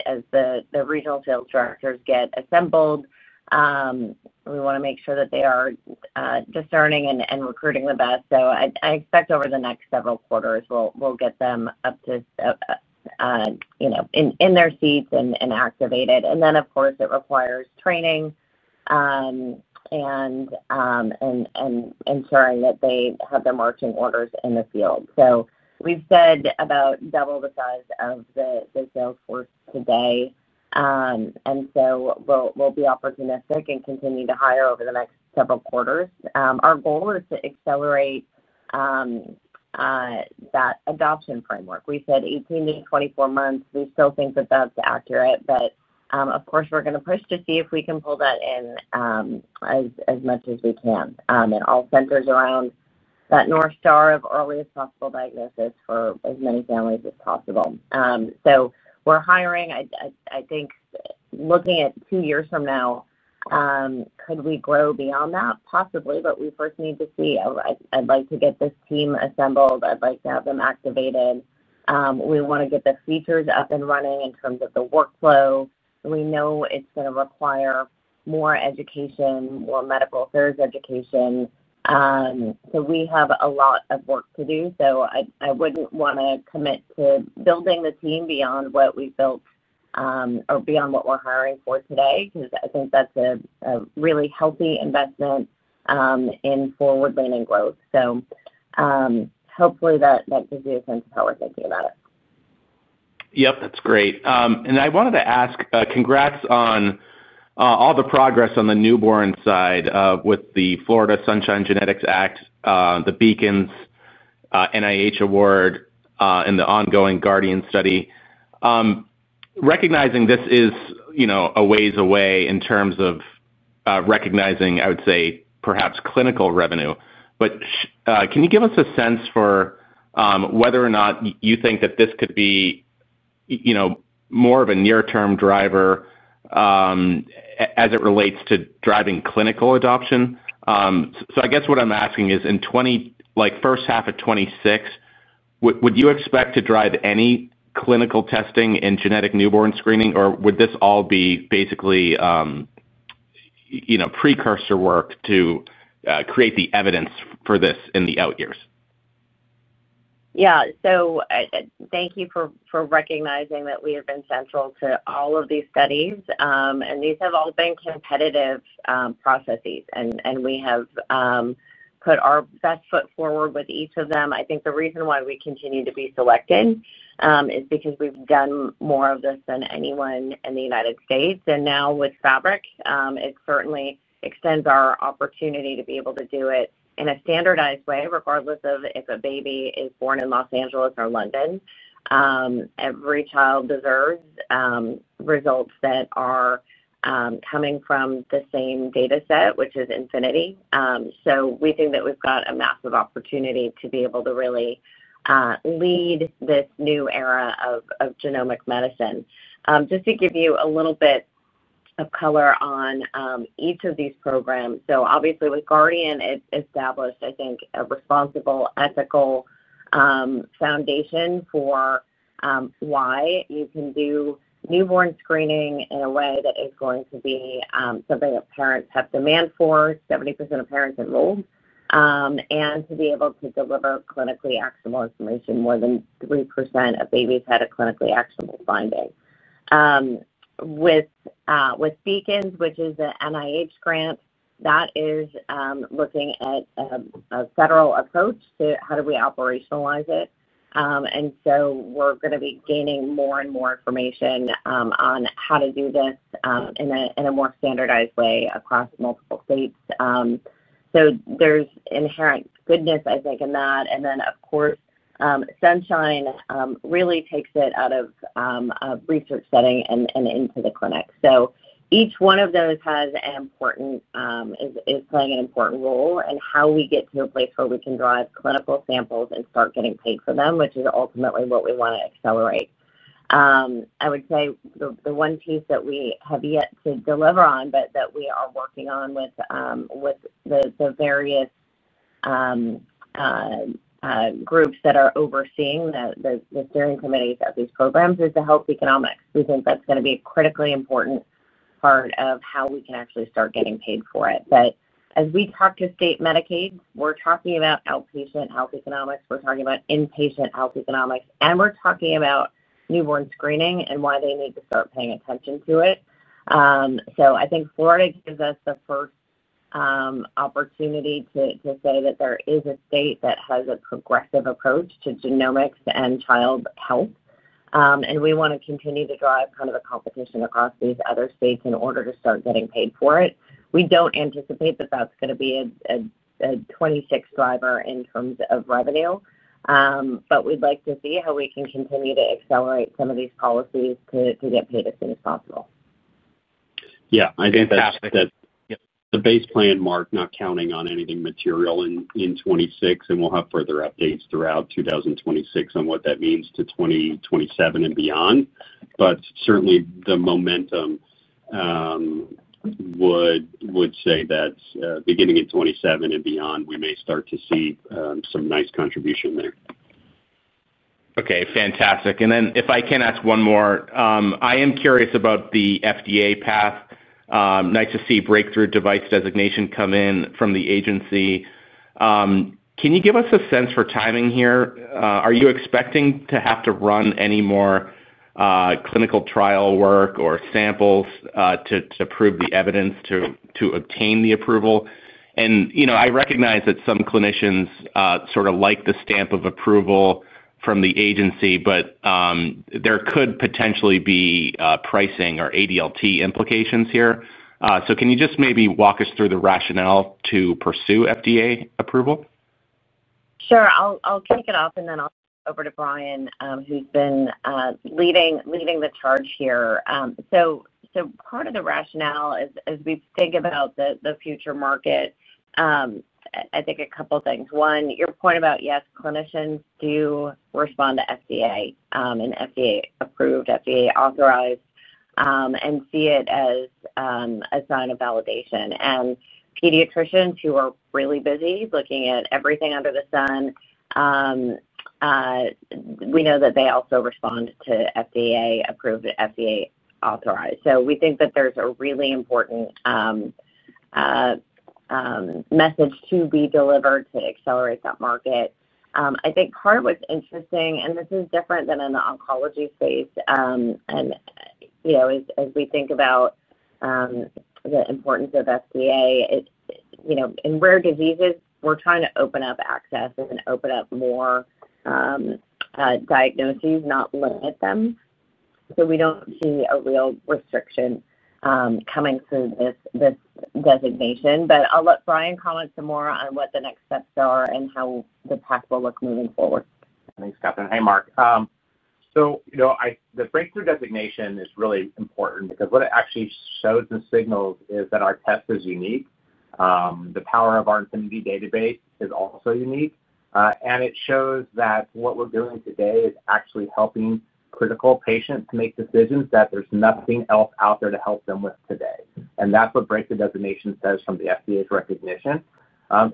as the Regional Sales Directors get assembled, we want to make sure that they are discerning and recruiting the best. I expect over the next several quarters, we'll get them up to, you know, in their seats and activated. Of course, it requires training and ensuring that they have their marching orders in the field. We've said about double the size of the sales force today, and we'll be opportunistic and continue to hire over the next several quarters. Our goal is to accelerate that adoption framework. We said 18 to 24 months. We still think that that's accurate, but we're going to push to see if we can pull that in as much as we can. It all centers around that North Star of earliest possible diagnosis for as many families as possible. We're hiring. I think looking at two years from now, could we grow beyond that? Possibly, but we first need to see. I'd like to get this team assembled. I'd like to have them activated. We want to get the features up and running in terms of the workflow. We know it's going to require more education, more medical affairs education. We have a lot of work to do. I wouldn't want to commit to building the team beyond what we've built or beyond what we're hiring for today because I think that's a really healthy investment in forward-leaning growth. Hopefully, that gives you a sense of how we're thinking about it. Yep. That's great. I wanted to ask, congrats on all the progress on the newborn side, with the Florida Sunshine Genetics Network, the Beacon NIH award, and the ongoing Guardian study. Recognizing this is, you know, a ways away in terms of, recognizing, I would say, perhaps clinical revenue. Can you give us a sense for whether or not you think that this could be, you know, more of a near-term driver as it relates to driving clinical adoption? I guess what I'm asking is, in 2026, like, first half of 2026, would you expect to drive any clinical testing in genetic newborn screening, or would this all be basically, you know, precursor work to create the evidence for this in the out years? Yeah. Thank you for recognizing that we have been central to all of these studies. These have all been competitive processes, and we have put our best foot forward with each of them. I think the reason why we continue to be selected is because we've done more of this than anyone in the United States. Now with Fabric, it certainly extends our opportunity to be able to do it in a standardized way, regardless of if a baby is born in Los Angeles or London. Every child deserves results that are coming from the same dataset, which is Infinity. We think that we've got a massive opportunity to be able to really lead this new era of genomic medicine. Just to give you a little bit of color on each of these programs. Obviously, with Guardian, it established, I think, a responsible, ethical foundation for why you can do newborn screening in a way that is going to be something that parents have demand for. 70% of parents enroll, and to be able to deliver clinically actionable information. More than 3% of babies had a clinically actionable finding. With Beacons, which is an NIH grant, that is looking at a federal approach to how do we operationalize it, we're going to be gaining more and more information on how to do this in a more standardized way across multiple states. There is inherent goodness, I think, in that. Of course, Sunshine really takes it out of a research setting and into the clinic. Each one of those is playing an important role in how we get to a place where we can drive clinical samples and start getting paid for them, which is ultimately what we want to accelerate. I would say the one piece that we have yet to deliver on, but that we are working on with the various groups that are overseeing the steering committees of these programs, is the health economics. We think that's going to be a critically important part of how we can actually start getting paid for it. As we talk to state Medicaid, we're talking about outpatient health economics, we're talking about inpatient health economics, and we're talking about newborn screening and why they need to start paying attention to it. I think Florida gives us the first opportunity to say that there is a state that has a progressive approach to genomics and child health. We want to continue to drive kind of the competition across these other states in order to start getting paid for it. We don't anticipate that that's going to be a '26 driver in terms of revenue, but we'd like to see how we can continue to accelerate some of these policies to get paid as soon as possible. I think that's the base plan mark, not counting on anything material in 2026, and we'll have further updates throughout 2026 on what that means to 2027 and beyond. Certainly, the momentum would say that, beginning in 2027 and beyond, we may start to see some nice contribution there. Okay. Fantastic. If I can ask one more, I am curious about the FDA path. Nice to see breakthrough device designation come in from the agency. Can you give us a sense for timing here? Are you expecting to have to run any more clinical trial work or samples to prove the evidence to obtain the approval? I recognize that some clinicians sort of like the stamp of approval from the agency, but there could potentially be pricing or ADLT implications here. Can you just maybe walk us through the rationale to pursue FDA approval? Sure. I'll kick it off, and then I'll hand over to Bryan, who's been leading the charge here. Part of the rationale is as we think about the future market, I think a couple of things. One, your point about, yes, clinicians do respond to FDA, and FDA-approved, FDA-authorized, and see it as a sign of validation. Pediatricians who are really busy looking at everything under the sun, we know that they also respond to FDA-approved, FDA-authorized. We think that there's a really important message to be delivered to accelerate that market. I think part of what's interesting, and this is different than in the oncology space, as we think about the importance of FDA, in rare diseases, we're trying to open up access and open up more diagnoses, not limit them. We don't see a real restriction coming through this designation. I'll let Bryan comment some more on what the next steps are and how the path will look moving forward. Thanks, Katherine. Hey, Mark. The breakthrough designation is really important because what it actually shows and signals is that our test is unique. The power of our Infinity database is also unique, and it shows that what we're doing today is actually helping critical patients make decisions that there's nothing else out there to help them with today. That's what breakthrough designation says from the FDA's recognition.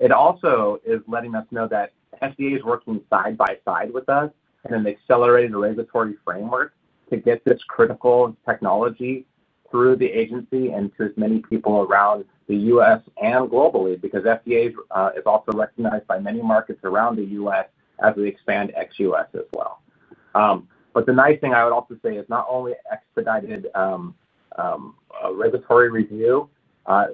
It also is letting us know that FDA is working side by side with us in an accelerated regulatory framework to get this critical technology through the agency and to as many people around the U.S. and globally because FDA is also recognized by many markets around the U.S. as we expand ex-U.S. as well. The nice thing I would also say is not only expedited regulatory review,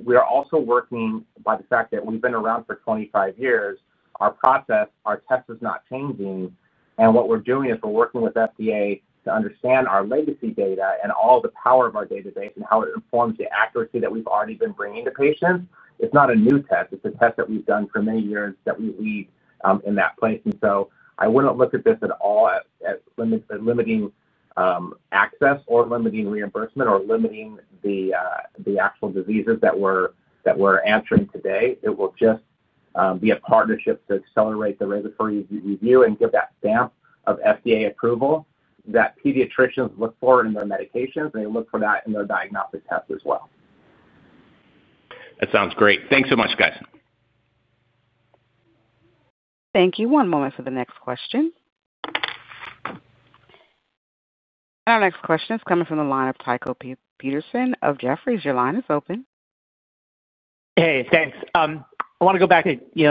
we are also working by the fact that we've been around for 25 years. Our process, our test is not changing, and what we're doing is we're working with FDA to understand our legacy data and all the power of our database and how it informs the accuracy that we've already been bringing to patients. It's not a new test. It's a test that we've done for many years that we lead in that place. I wouldn't look at this at all as limiting access or limiting reimbursement or limiting the actual diseases that we're answering today. It will just be a partnership to accelerate the regulatory review and give that stamp of FDA approval that pediatricians look for in their medications. They look for that in their diagnostic tests as well. That sounds great. Thanks so much, guys. Thank you. One moment for the next question. Our next question is coming from the line of Tycho Peterson of Jefferies. Your line is open. Hey, thanks. I want to go back to the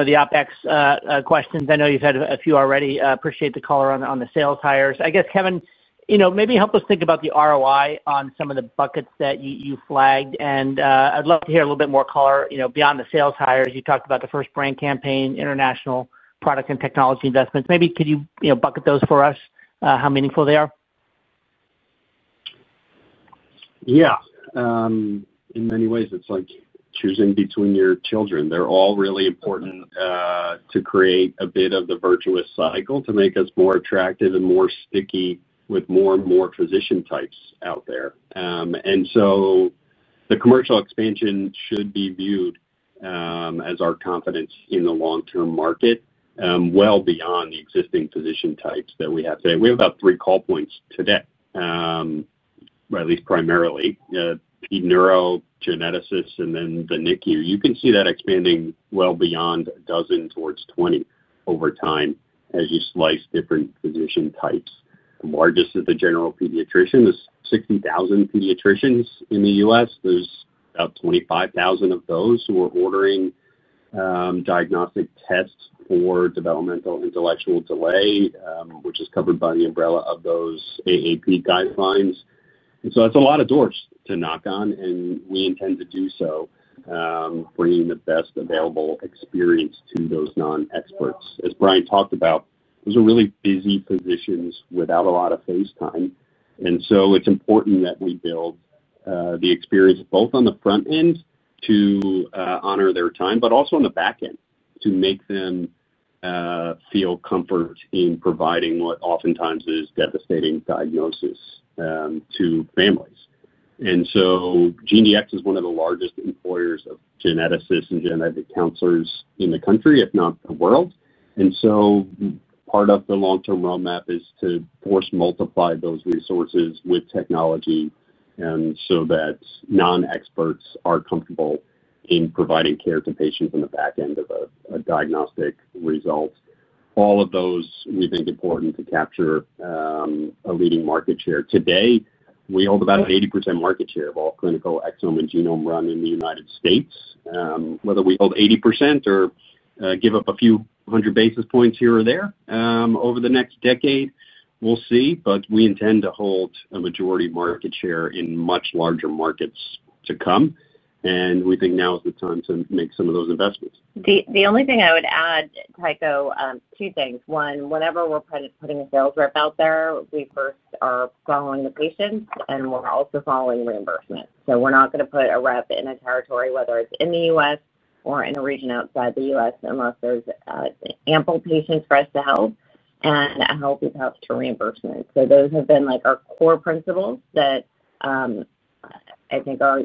OpEx questions. I know you've had a few already. Appreciate the color on the sales hires. I guess, Kevin, maybe help us think about the ROI on some of the buckets that you flagged. I'd love to hear a little bit more color beyond the sales hires. You talked about the first brand campaign, international product and technology investments. Maybe could you bucket those for us, how meaningful they are? Yeah, in many ways, it's like choosing between your children. They're all really important to create a bit of the virtuous cycle to make us more attractive and more sticky with more and more physician types out there. The commercial expansion should be viewed as our competence in the long-term market, well beyond the existing physician types that we have today. We have about three call points today, or at least primarily, pneumono-geneticists and then the NICU. You can see that expanding well beyond a dozen towards 20 over time as you slice different physician types. The largest is the general pediatrician. There's 60,000 pediatricians in the U.S. There's about 25,000 of those who are ordering diagnostic tests for developmental intellectual delay, which is covered by the umbrella of those AAP guidelines. That's a lot of doors to knock on, and we intend to do so, bringing the best available experience to those non-experts. As Bryan talked about, those are really busy physicians without a lot of face time. It's important that we build the experience both on the front end to honor their time, but also on the back end to make them feel comfort in providing what oftentimes is a devastating diagnosis to families. GeneDx is one of the largest employers of geneticists and genetic counselors in the country, if not the world. Part of the long-term roadmap is to force-multiply those resources with technology so that non-experts are comfortable in providing care to patients on the back end of a diagnostic result. All of those, we think, are important to capture a leading market share. Today, we hold about an 80% market share of all clinical exome and genome run in the United States. Whether we hold 80% or give up a few hundred basis points here or there over the next decade, we'll see. We intend to hold a majority market share in much larger markets to come. We think now is the time to make some of those investments. The only thing I would add, Tycho, two things. One, whenever we're putting a sales rep out there, we first are following the patients, and we're also following reimbursement. We're not going to put a rep in a territory, whether it's in the U.S. or in a region outside the U.S., unless there's ample patients for us to help and a healthy path to reimbursement. Those have been our core principles that, I think, are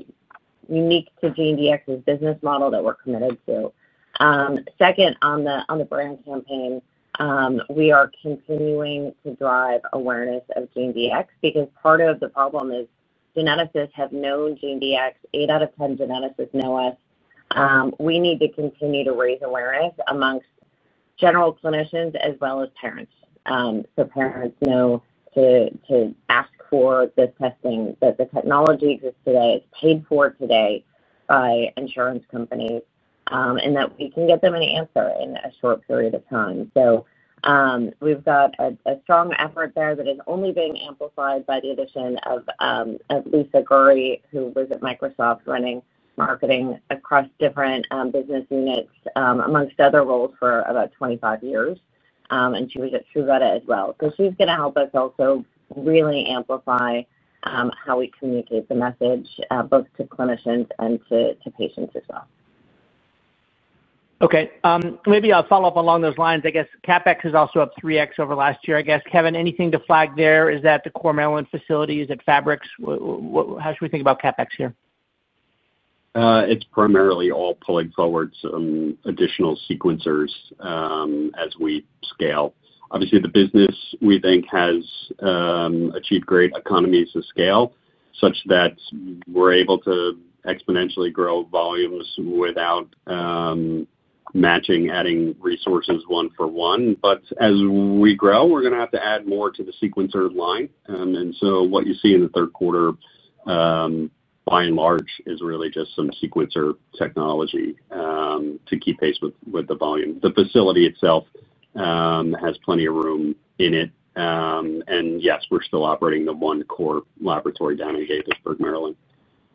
unique to GeneDx's business model that we're committed to. Second, on the brand campaign, we are continuing to drive awareness of GeneDx because part of the problem is geneticists have known GeneDx. 8 out of 10 geneticists know us. We need to continue to raise awareness amongst general clinicians as well as parents, so parents know to ask for the testing, that the technology exists today, it's paid for today by insurance companies, and that we can get them an answer in a short period of time. We've got a strong effort there that is only being amplified by the addition of Lisa Gurry, who was at Microsoft running marketing across different business units, amongst other roles for about 25 years, and she was at Truvada as well. She's going to help us also really amplify how we communicate the message, both to clinicians and to patients as well. Okay. Maybe a follow-up along those lines. I guess CapEx is also up 3x over the last year, I guess. Kevin, anything to flag there? Is that the core Maryland facility? Is it Fabric Genomics? How should we think about CapEx here? It's primarily all pulling forward some additional sequencers, as we scale. Obviously, the business, we think, has achieved great economies of scale such that we're able to exponentially grow volumes without matching, adding resources one for one. As we grow, we're going to have to add more to the sequencer line. What you see in the third quarter, by and large, is really just some sequencer technology to keep pace with the volume. The facility itself has plenty of room in it, and yes, we're still operating the one core laboratory down in Gaithersburg, Maryland.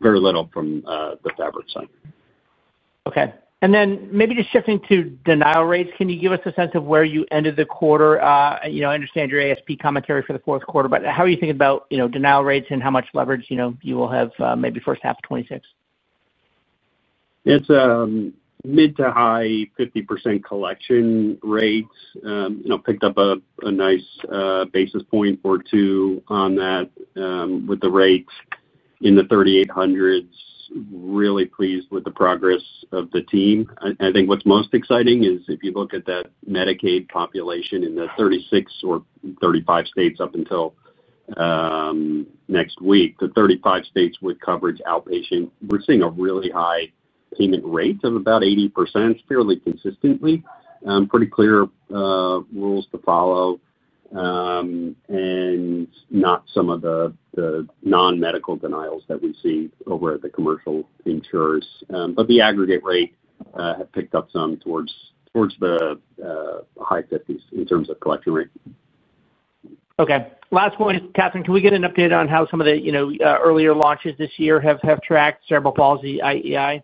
Very little from the Fabric side. Okay. Maybe just shifting to denial rates, can you give us a sense of where you ended the quarter? I understand your ASP commentary for the fourth quarter, but how are you thinking about denial rates and how much leverage you will have, maybe first half of 2026? It's mid to high 50% collection rates. Picked up a nice basis point or two on that, with the rates in the $3,800s. Really pleased with the progress of the team. I think what's most exciting is if you look at that Medicaid population in the 36 or 35 states up until next week, the 35 states with coverage outpatient. We're seeing a really high payment rate of about 80% fairly consistently. Pretty clear rules to follow, and not some of the non-medical denials that we see over at the commercial insurers. The aggregate rate has picked up some towards the high 50s in terms of collection rate. Okay. Last point, Katherine, can we get an update on how some of the earlier launches this year have tracked, cerebral palsy, IEI,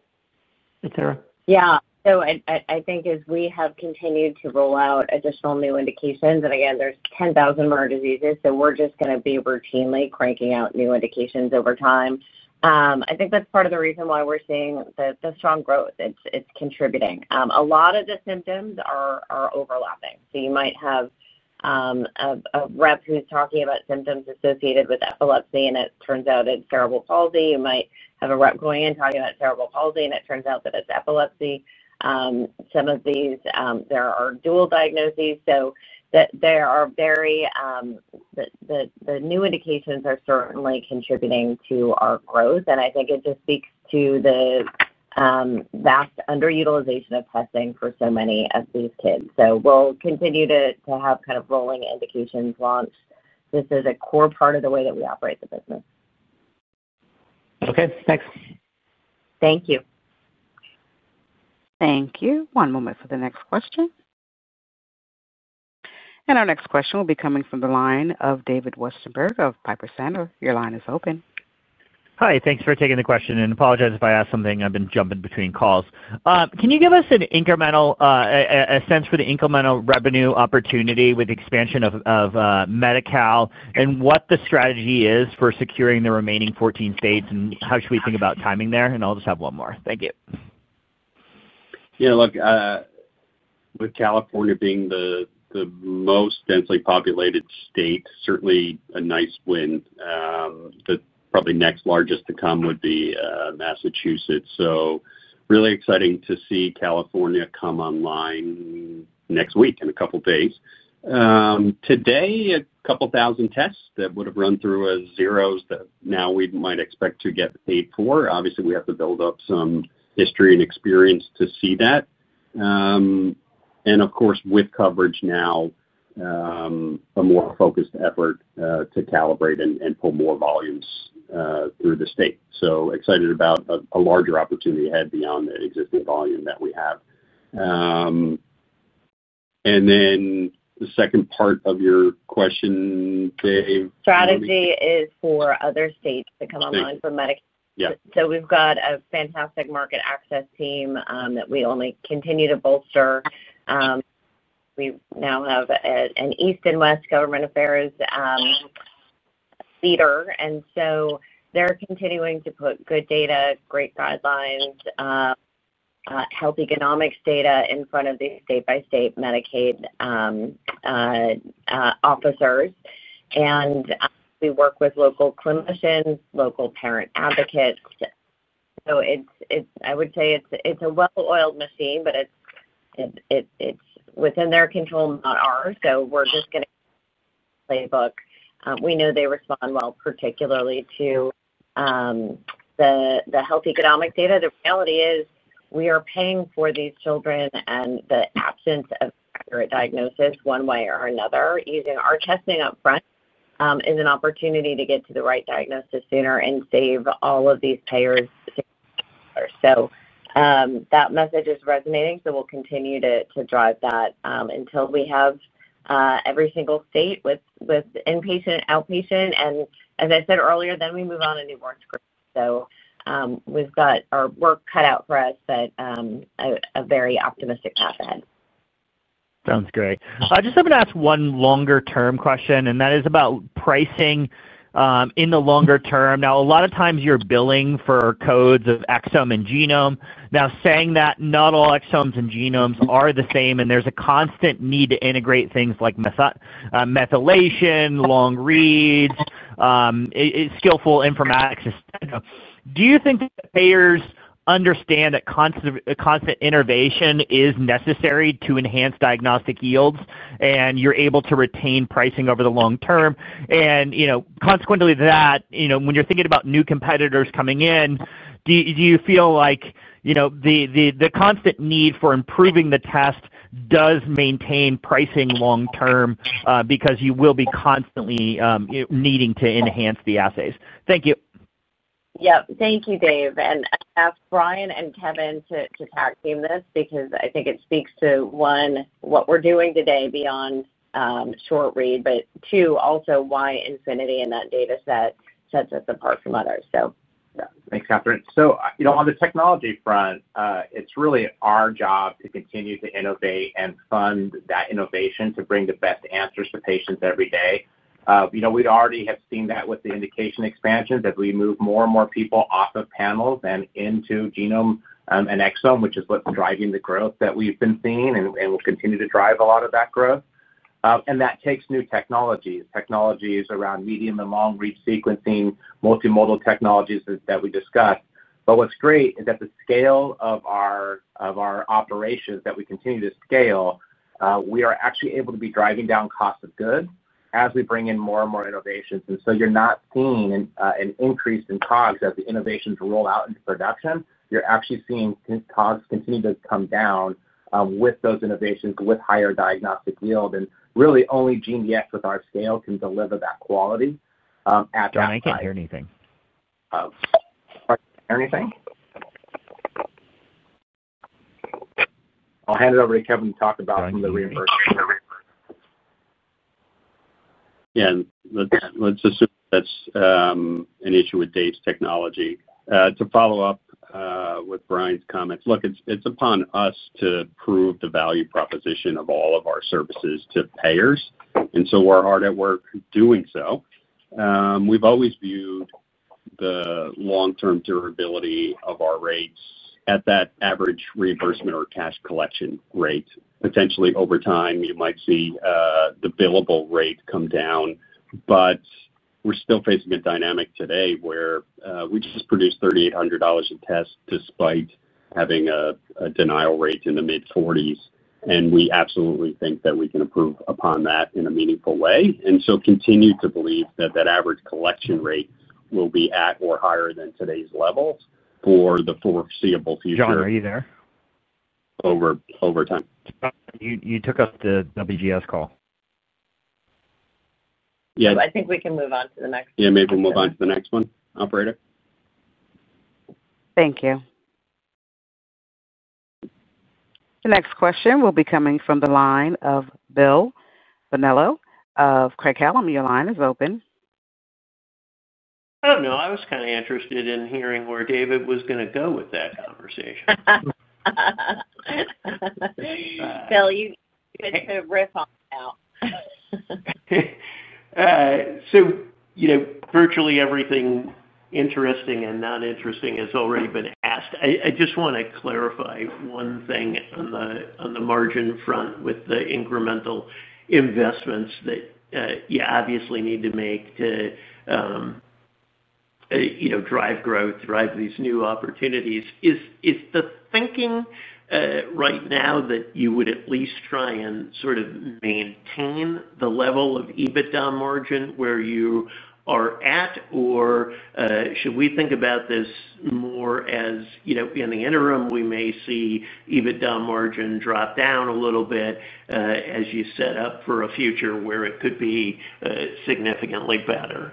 etc.? Yeah. I think as we have continued to roll out additional new indications, and again, there's 10,000 more diseases, we're just going to be routinely cranking out new indications over time. I think that's part of the reason why we're seeing the strong growth. It's contributing. A lot of the symptoms are overlapping. You might have a rep who's talking about symptoms associated with epilepsy, and it turns out it's cerebral palsy. You might have a rep going in talking about cerebral palsy, and it turns out that it's epilepsy. Some of these, there are dual diagnoses. The new indications are certainly contributing to our growth. I think it just speaks to the vast underutilization of testing for so many of these kids. We'll continue to have kind of rolling indications launched. This is a core part of the way that we operate the business. Okay. Thanks. Thank you. Thank you. One moment for the next question. Our next question will be coming from the line of David Westenberg of Piper Sandler. Your line is open. Hi. Thanks for taking the question and apologize if I asked something. I've been jumping between calls. Can you give us a sense for the incremental revenue opportunity with the expansion of Medi-Cal and what the strategy is for securing the remaining 14 states? How should we think about timing there? I'll just have one more. Thank you. Yeah. Look, with California being the most densely populated state, certainly a nice win. The probably next largest to come would be Massachusetts. Really exciting to see California come online next week in a couple of days. Today, a couple of thousand tests that would have run through as zeros that now we might expect to get paid for. Obviously, we have to build up some history and experience to see that. Of course, with coverage now, a more focused effort to calibrate and pull more volumes through the state. Excited about a larger opportunity ahead beyond the existing volume that we have. Then the second part of your question, Dave. Strategy is for other states to come online for Medi-Cal. We've got a fantastic market access team that we only continue to bolster. We now have an East and West Government Affairs leader, and they're continuing to put good data, great guidelines, health economics data in front of these state-by-state Medicaid officers. We work with local clinicians and local parent advocates. I would say it's a well-oiled machine, but it's within their control, not ours. We're just going to play the playbook. We know they respond well, particularly to the health economic data. The reality is we are paying for these children, and the absence of accurate diagnosis, one way or another, using our testing upfront, is an opportunity to get to the right diagnosis sooner and save all of these payers sooner. That message is resonating. We'll continue to drive that until we have every single state with inpatient and outpatient. As I said earlier, then we move on to newborn screening. We've got our work cut out for us, but a very optimistic path ahead. Sounds great. I just have to ask one longer-term question, and that is about pricing in the longer term. Now, a lot of times you're billing for codes of exome and genome. Not all exomes and genomes are the same, and there's a constant need to integrate things like methylation, long reads, it's skillful informatics. Do you think that payers understand that constant innovation is necessary to enhance diagnostic yields and you're able to retain pricing over the long term? Consequently to that, when you're thinking about new competitors coming in, do you feel like the constant need for improving the test does maintain pricing long term because you will be constantly needing to enhance the assays? Thank you. Thank you, Dave. I asked Bryan and Kevin to tag team this because I think it speaks to, one, what we're doing today beyond short read, but also why Infinity and that dataset set us apart from others. Yeah. Thanks, Katherine. On the technology front, it's really our job to continue to innovate and fund that innovation to bring the best answers to patients every day. We already have seen that with the indication expansions as we move more and more people off of panels and into genome and exome, which is what's driving the growth that we've been seeing and will continue to drive a lot of that growth. That takes new technologies, technologies around medium and long reach sequencing, multimodal technologies that we discussed. What's great is at the scale of our operations that we continue to scale, we are actually able to be driving down costs of goods as we bring in more and more innovations. You're not seeing an increase in COGS as the innovations roll out into production. You're actually seeing COGS continue to come down, with those innovations with higher diagnostic yield. Really, only GeneDx with our scale can deliver that quality. Kevin, I can't hear anything. Sorry, can you hear anything? I'll hand it over to Kevin to talk about some of the reimbursement. Yeah. Let's assume that's an issue with Dave's technology. To follow up with Bryan's comments, look, it's upon us to prove the value proposition of all of our services to payers. We're hard at work doing so. We've always viewed the long-term durability of our rates at that average reimbursement or cash collection rate. Potentially, over time, you might see the billable rate come down. We're still facing a dynamic today where we just produced $3,800 in tests despite having a denial rate in the mid-40%. We absolutely think that we can improve upon that in a meaningful way. We continue to believe that the average collection rate will be at or higher than today's levels for the foreseeable future. John, are you there? Over time. You took up the WGS call. Yeah. I think we can move on to the next one. Yeah, maybe we'll move on to the next one, operator. Thank you. The next question will be coming from the line of Bill Bonello of Craig-Hallum. Your line is open. I was kind of interested in hearing where David was going to go with that conversation. Bill, you hit the riff on that. Virtually everything interesting and not interesting has already been asked. I just want to clarify one thing on the margin front. With the incremental investments that you obviously need to make to drive growth and drive these new opportunities, is the thinking right now that you would at least try and sort of maintain the level of EBITDA margin where you are at, or should we think about this more as, in the interim, we may see EBITDA margin drop down a little bit as you set up for a future where it could be significantly better?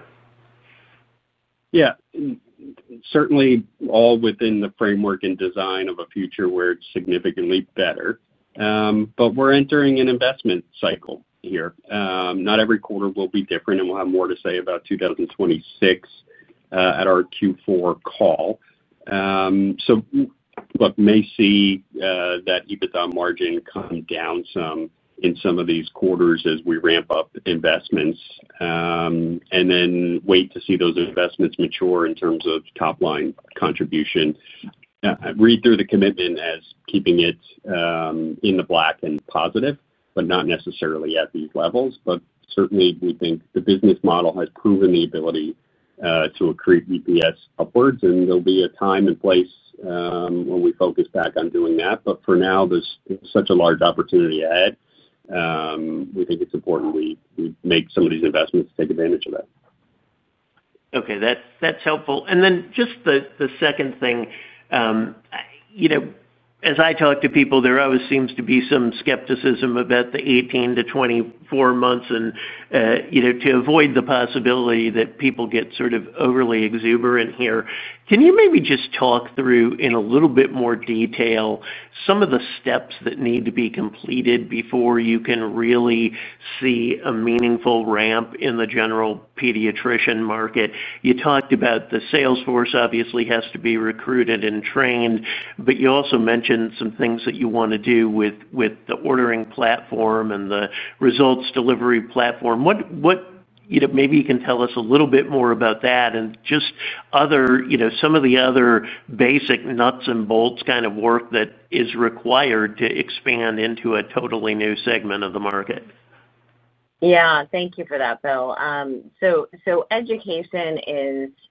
Certainly, all within the framework and design of a future where it's significantly better. We're entering an investment cycle here. Not every quarter will be different, and we'll have more to say about 2026 at our Q4 call. Look, may see that EBITDA margin come down some in some of these quarters as we ramp up investments, and then wait to see those investments mature in terms of top-line contribution. Read through the commitment as keeping it in the black and positive, but not necessarily at these levels. Certainly, we think the business model has proven the ability to accrete EPS upwards, and there'll be a time and place when we focus back on doing that. For now, there's such a large opportunity ahead. We think it's important we make some of these investments to take advantage of that. Okay. That's helpful. The second thing, as I talk to people, there always seems to be some skepticism about the 18-24 months, and to avoid the possibility that people get sort of overly exuberant here, can you maybe just talk through in a little bit more detail some of the steps that need to be completed before you can really see a meaningful ramp in the general pediatrician market? You talked about the sales force obviously has to be recruited and trained, but you also mentioned some things that you want to do with the ordering platform and the results delivery platform. Maybe you can tell us a little bit more about that and just some of the other basic nuts and bolts kind of work that is required to expand into a totally new segment of the market. Thank you for that, Bill. Education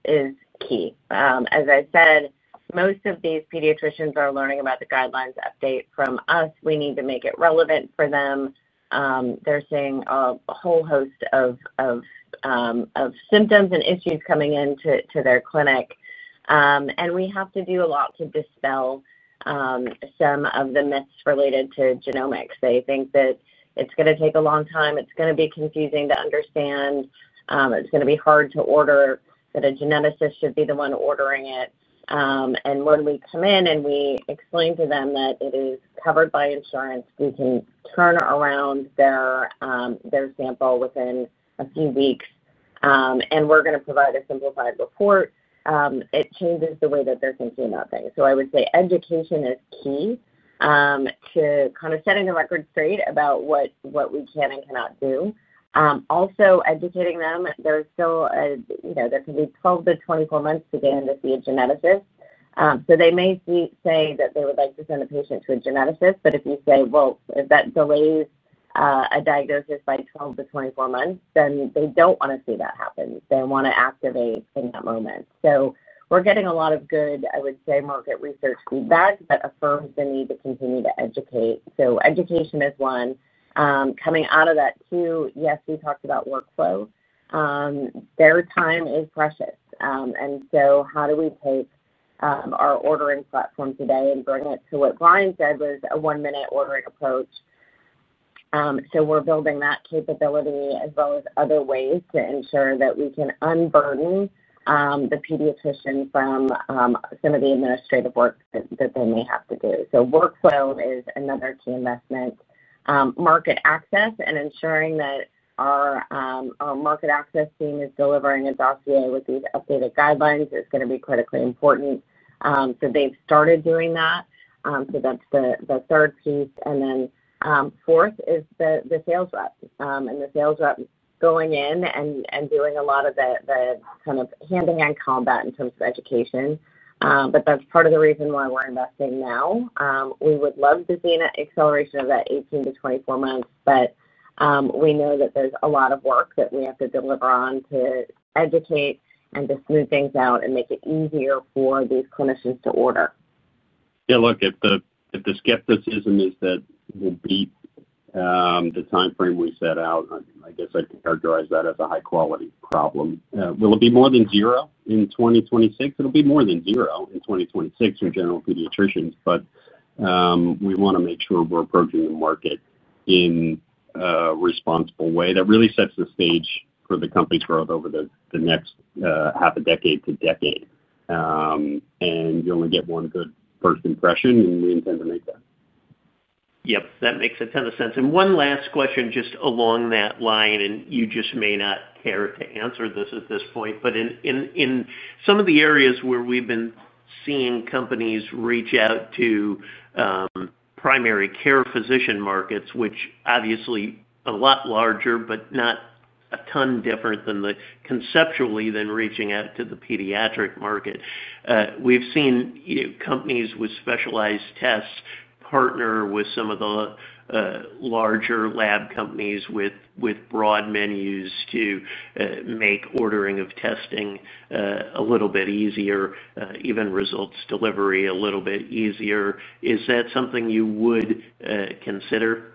is key. As I said, most of these pediatricians are learning about the guidelines update from us. We need to make it relevant for them. They're seeing a whole host of symptoms and issues coming into their clinic, and we have to do a lot to dispel some of the myths related to genomics. They think that it's going to take a long time, it's going to be confusing to understand, it's going to be hard to order, that a geneticist should be the one ordering it. When we come in and we explain to them that it is covered by insurance, we can turn around their sample within a few weeks, and we're going to provide a simplified report, it changes the way that they're thinking about things. I would say education is key to kind of setting the record straight about what we can and cannot do. Also, educating them, there's still a, you know, there can be 12-24 months to get in to see a geneticist. They may say that they would like to send a patient to a geneticist, but if you say, "Well, if that delays a diagnosis by 12-24 months," then they don't want to see that happen. They want to activate in that moment. We're getting a lot of good market research feedback that affirms the need to continue to educate. Education is one. Coming out of that too, yes, we talked about workflow. Their time is precious, and how do we take our ordering platform today and bring it to what Bryan said was a one-minute ordering approach? We're building that capability as well as other ways to ensure that we can unburden the pediatrician from some of the administrative work that they may have to do. Workflow is another key investment. Market access and ensuring that our market access team is delivering exactly with these updated guidelines is going to be critically important. They've started doing that. That's the third piece. Then, fourth is the sales rep, and the sales rep going in and doing a lot of the kind of hand-in-hand combat in terms of education. That's part of the reason why we're investing now. We would love to see an acceleration of that 18-24 months, but we know that there's a lot of work that we have to deliver on to educate and to smooth things out and make it easier for these clinicians to order. Yeah. Look, if the skepticism is that we'll beat the timeframe we set. I guess I could characterize that as a high-quality problem. Will it be more than zero in 2026? It'll be more than zero in 2026 for general pediatricians, but we want to make sure we're approaching the market in a responsible way that really sets the stage for the company's growth over the next half a decade to decade. You only get one good first impression, and we intend to make that. Yep, that makes a ton of sense. One last question just along that line, and you just may not care to answer this at this point, but in some of the areas where we've been seeing companies reach out to primary care physician markets, which obviously are a lot larger, but not a ton different conceptually than reaching out to the pediatric market, we've seen companies with specialized tests partner with some of the larger lab companies with broad menus to make ordering of testing a little bit easier, even results delivery a little bit easier. Is that something you would consider?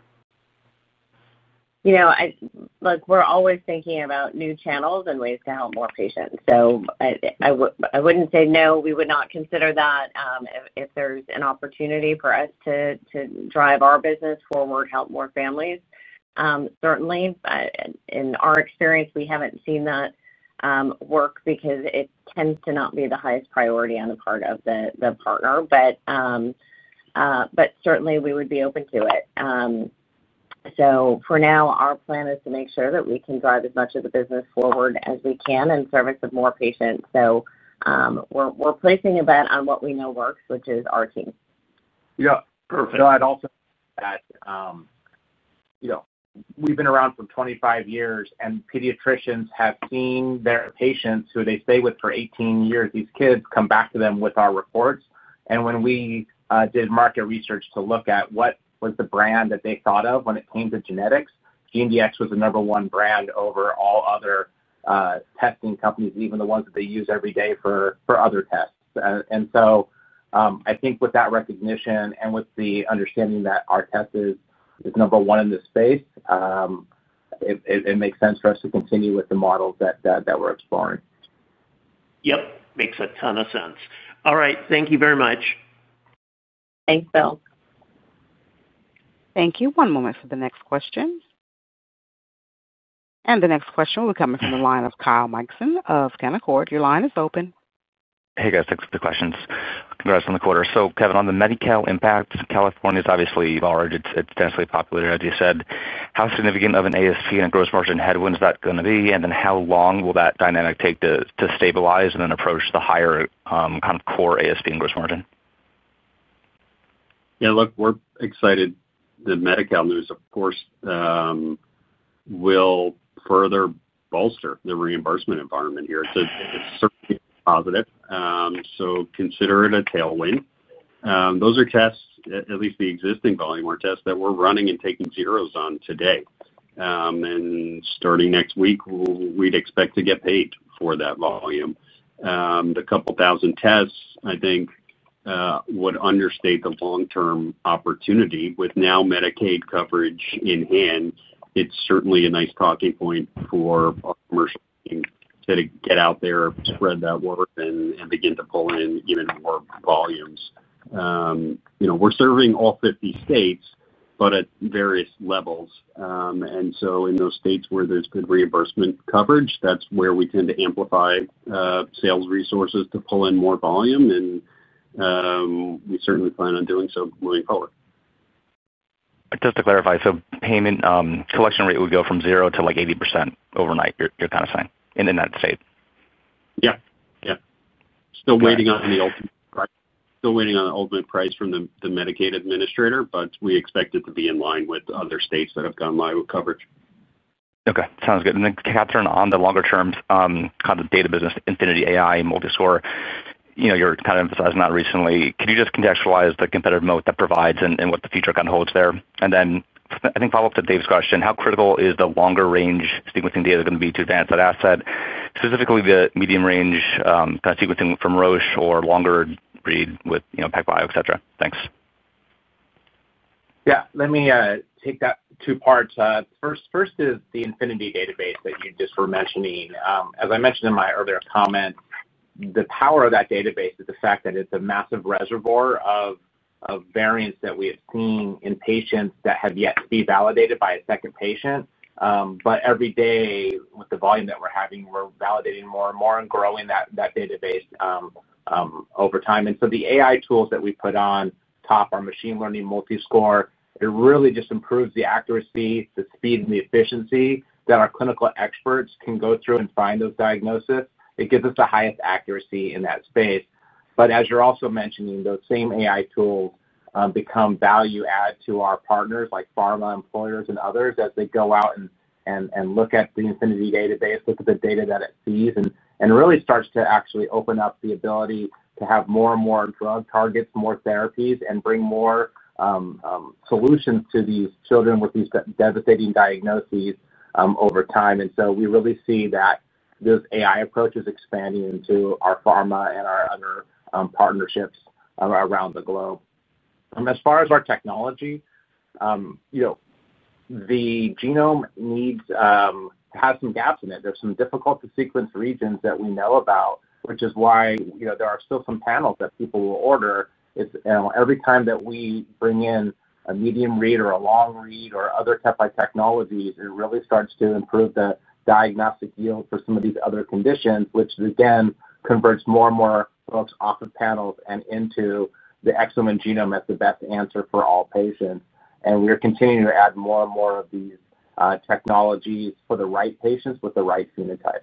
You know, I. Look, we're always thinking about new channels and ways to help more patients. I wouldn't say no, we would not consider that if there's an opportunity for us to drive our business forward, help more families. Certainly, in our experience, we haven't seen that work because it tends to not be the highest priority on the part of the partner, but certainly, we would be open to it. For now, our plan is to make sure that we can drive as much of the business forward as we can in service of more patients. We're placing a bet on what we know works, which is our team. Yeah, perfect. We've been around for 25 years, and pediatricians have seen their patients who they stay with for 18 years. These kids come back to them with our reports. When we did market research to look at what was the brand that they thought of when it came to genetics, GeneDx was the number one brand over all other testing companies, even the ones that they use every day for other tests. I think with that recognition and with the understanding that our test is number one in this space, it makes sense for us to continue with the models that we're exploring. Yep, makes a ton of sense. All right, thank you very much. Thanks, Bill. Thank you. One moment for the next question. The next question will be coming from the line of Kyle Mikson of Canaccord. Your line is open. Hey, guys. Thanks for the questions. Congrats on the quarter. Kevin, on the Medi-Cal impact, California is obviously large, it's densely populated, as you said. How significant of an ASP and a gross margin headwind is that going to be, and how long will that dynamic take to stabilize and then approach the higher kind of core ASP and gross margin? Yeah, look, we're excited. The Medi-Cal news, of course, will further bolster the reimbursement environment here. It's certainly a positive, so consider it a tailwind. Those are tests, at least the existing volume or tests that we're running and taking zeros on today. Starting next week, we'd expect to get paid for that volume. The couple thousand tests, I think, would understate the long-term opportunity with now Medicaid coverage in hand. It's certainly a nice talking point for our commercial team to get out there, spread that word, and begin to pull in even more volumes. You know we're serving all 50 states, but at various levels. In those states where there's good reimbursement coverage, that's where we tend to amplify sales resources to pull in more volume, and we certainly plan on doing so moving forward. Just to clarify, so payment collection rate would go from 0 to like 80% overnight, you're kind of saying, in that state? Still waiting on the ultimate price from the Medicaid administrator, but we expect it to be in line with other states that have gone live with coverage. Okay, sounds good. Katherine, on the longer terms, kind of the data business, Infinity database, AI and Multiscore gene ranker, you know you're kind of emphasizing that recently. Could you just contextualize the competitive moat that provides and what the future kind of holds there? I think follow up to Dave's question, how critical is the longer range sequencing data going to be to advance that asset, specifically the medium range kind of sequencing from Roche or longer read with PacBio, etc.? Thanks. Let me take that in two parts. First is the Infinity database that you were just mentioning. As I mentioned in my earlier comment, the power of that database is the fact that it's a massive reservoir of variants that we have seen in patients that have yet to be validated by a second patient. Every day, with the volume that we're having, we're validating more and more and growing that database over time. The AI tools that we put on top are machine learning, Multiscore. It really just improves the accuracy, the speed, and the efficiency that our clinical experts can go through and find those diagnoses. It gives us the highest accuracy in that space. As you're also mentioning, those same AI tools become value add to our partners like pharma, employers, and others as they go out and look at the Infinity database, look at the data that it sees, and really start to actually open up the ability to have more and more drug targets, more therapies, and bring more solutions to these children with these devastating diagnoses over time. We really see that this AI approach is expanding into our pharma and our other partnerships around the globe. As far as our technology, you know the genome needs has some gaps in it. There are some difficult-to-sequence regions that we know about, which is why there are still some panels that people will order. Every time that we bring in a medium read or a long read or other type of technologies, it really starts to improve the diagnostic yield for some of these other conditions, which again converts more and more folks off of panels and into the excellent genome as the best answer for all patients. We are continuing to add more and more of these technologies for the right patients with the right phenotype.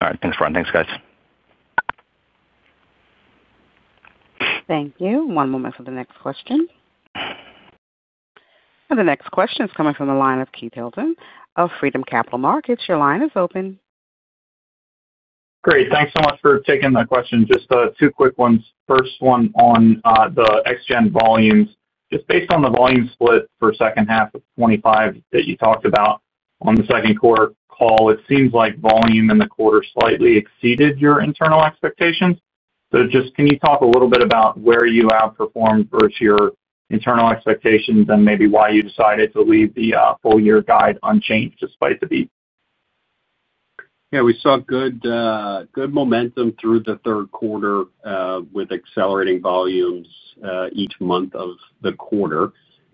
All right. Thanks, Bryan. Thanks, guys. Thank you. One moment for the next question. The next question is coming from the line of Keith Hinton of Freedom Capital Markets. Your line is open. Great. Thanks so much for taking the question. Just two quick ones. First one on the XGen volumes. Just based on the volume split for the second half of 2025 that you talked about on the second quarter call, it seems like volume in the quarter slightly exceeded your internal expectations. Can you talk a little bit about where you outperformed versus your internal expectations and maybe why you decided to leave the full-year guide unchanged despite the beat? Yeah, we saw good momentum through the third quarter with accelerating volumes each month of the quarter,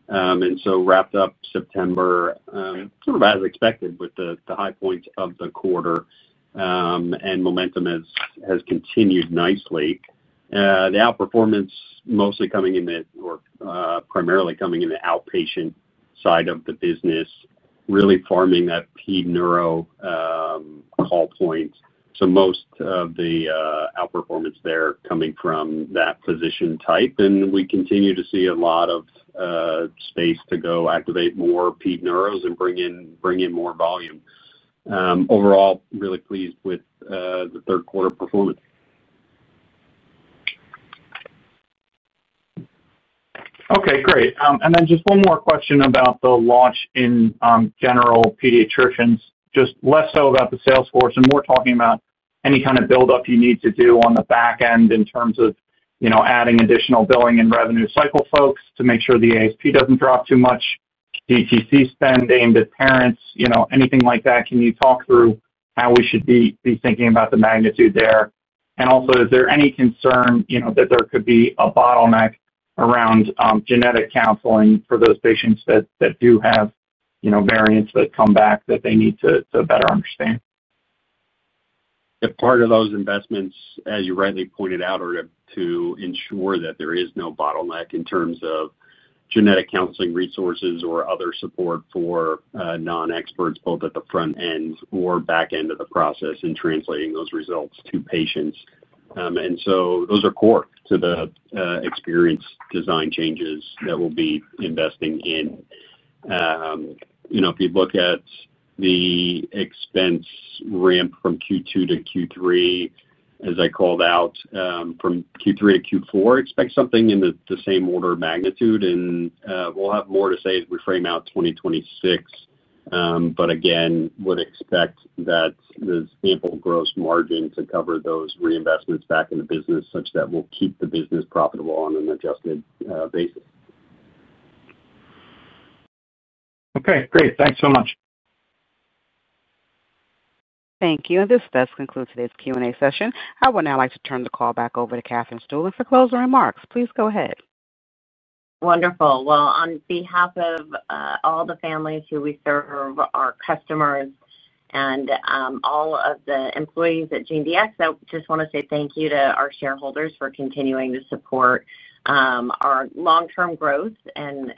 and wrapped up September sort of as expected with the high points of the quarter. Momentum has continued nicely. The outperformance mostly coming in, or primarily coming in, the outpatient side of the business, really farming that pNeuro call point. Most of the outperformance there coming from that physician type. We continue to see a lot of space to go activate more pNeuros and bring in more volume. Overall, really pleased with the third quarter performance. Okay, great. Just one more question about the launch in general pediatricians, less so about the sales force and more talking about any kind of build-up you need to do on the back end in terms of adding additional billing and revenue cycle folks to make sure the ASP doesn't drop too much, DTC spend aimed at parents, anything like that. Can you talk through how we should be thinking about the magnitude there? Also, is there any concern that there could be a bottleneck around genetic counseling for those patients that do have variants that come back that they need to better understand? Yeah, part of those investments, as you rightly pointed out, are to ensure that there is no bottleneck in terms of genetic counseling resources or other support for non-experts both at the front end or back end of the process in translating those results to patients. Those are core to the experience design changes that we'll be investing in. If you look at the expense ramp from Q2-Q3, as I called out, from Q3-Q4, expect something in the same order of magnitude. We'll have more to say as we frame out 2026. Again, would expect that there's ample gross margin to cover those reinvestments back in the business such that we'll keep the business profitable on an adjusted basis. Okay, great. Thanks so much. Thank you. This does conclude today's Q&A session. I would now like to turn the call back over to Katherine Stueland for closing remarks. Please go ahead. On behalf of all the families who we serve, our customers, and all of the employees at GeneDx, I just want to say thank you to our shareholders for continuing to support our long-term growth and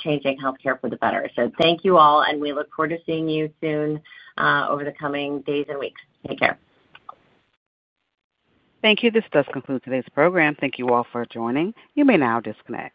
changing healthcare for the better. Thank you all, and we look forward to seeing you soon over the coming days and weeks. Take care. Thank you. This does conclude today's program. Thank you all for joining. You may now disconnect.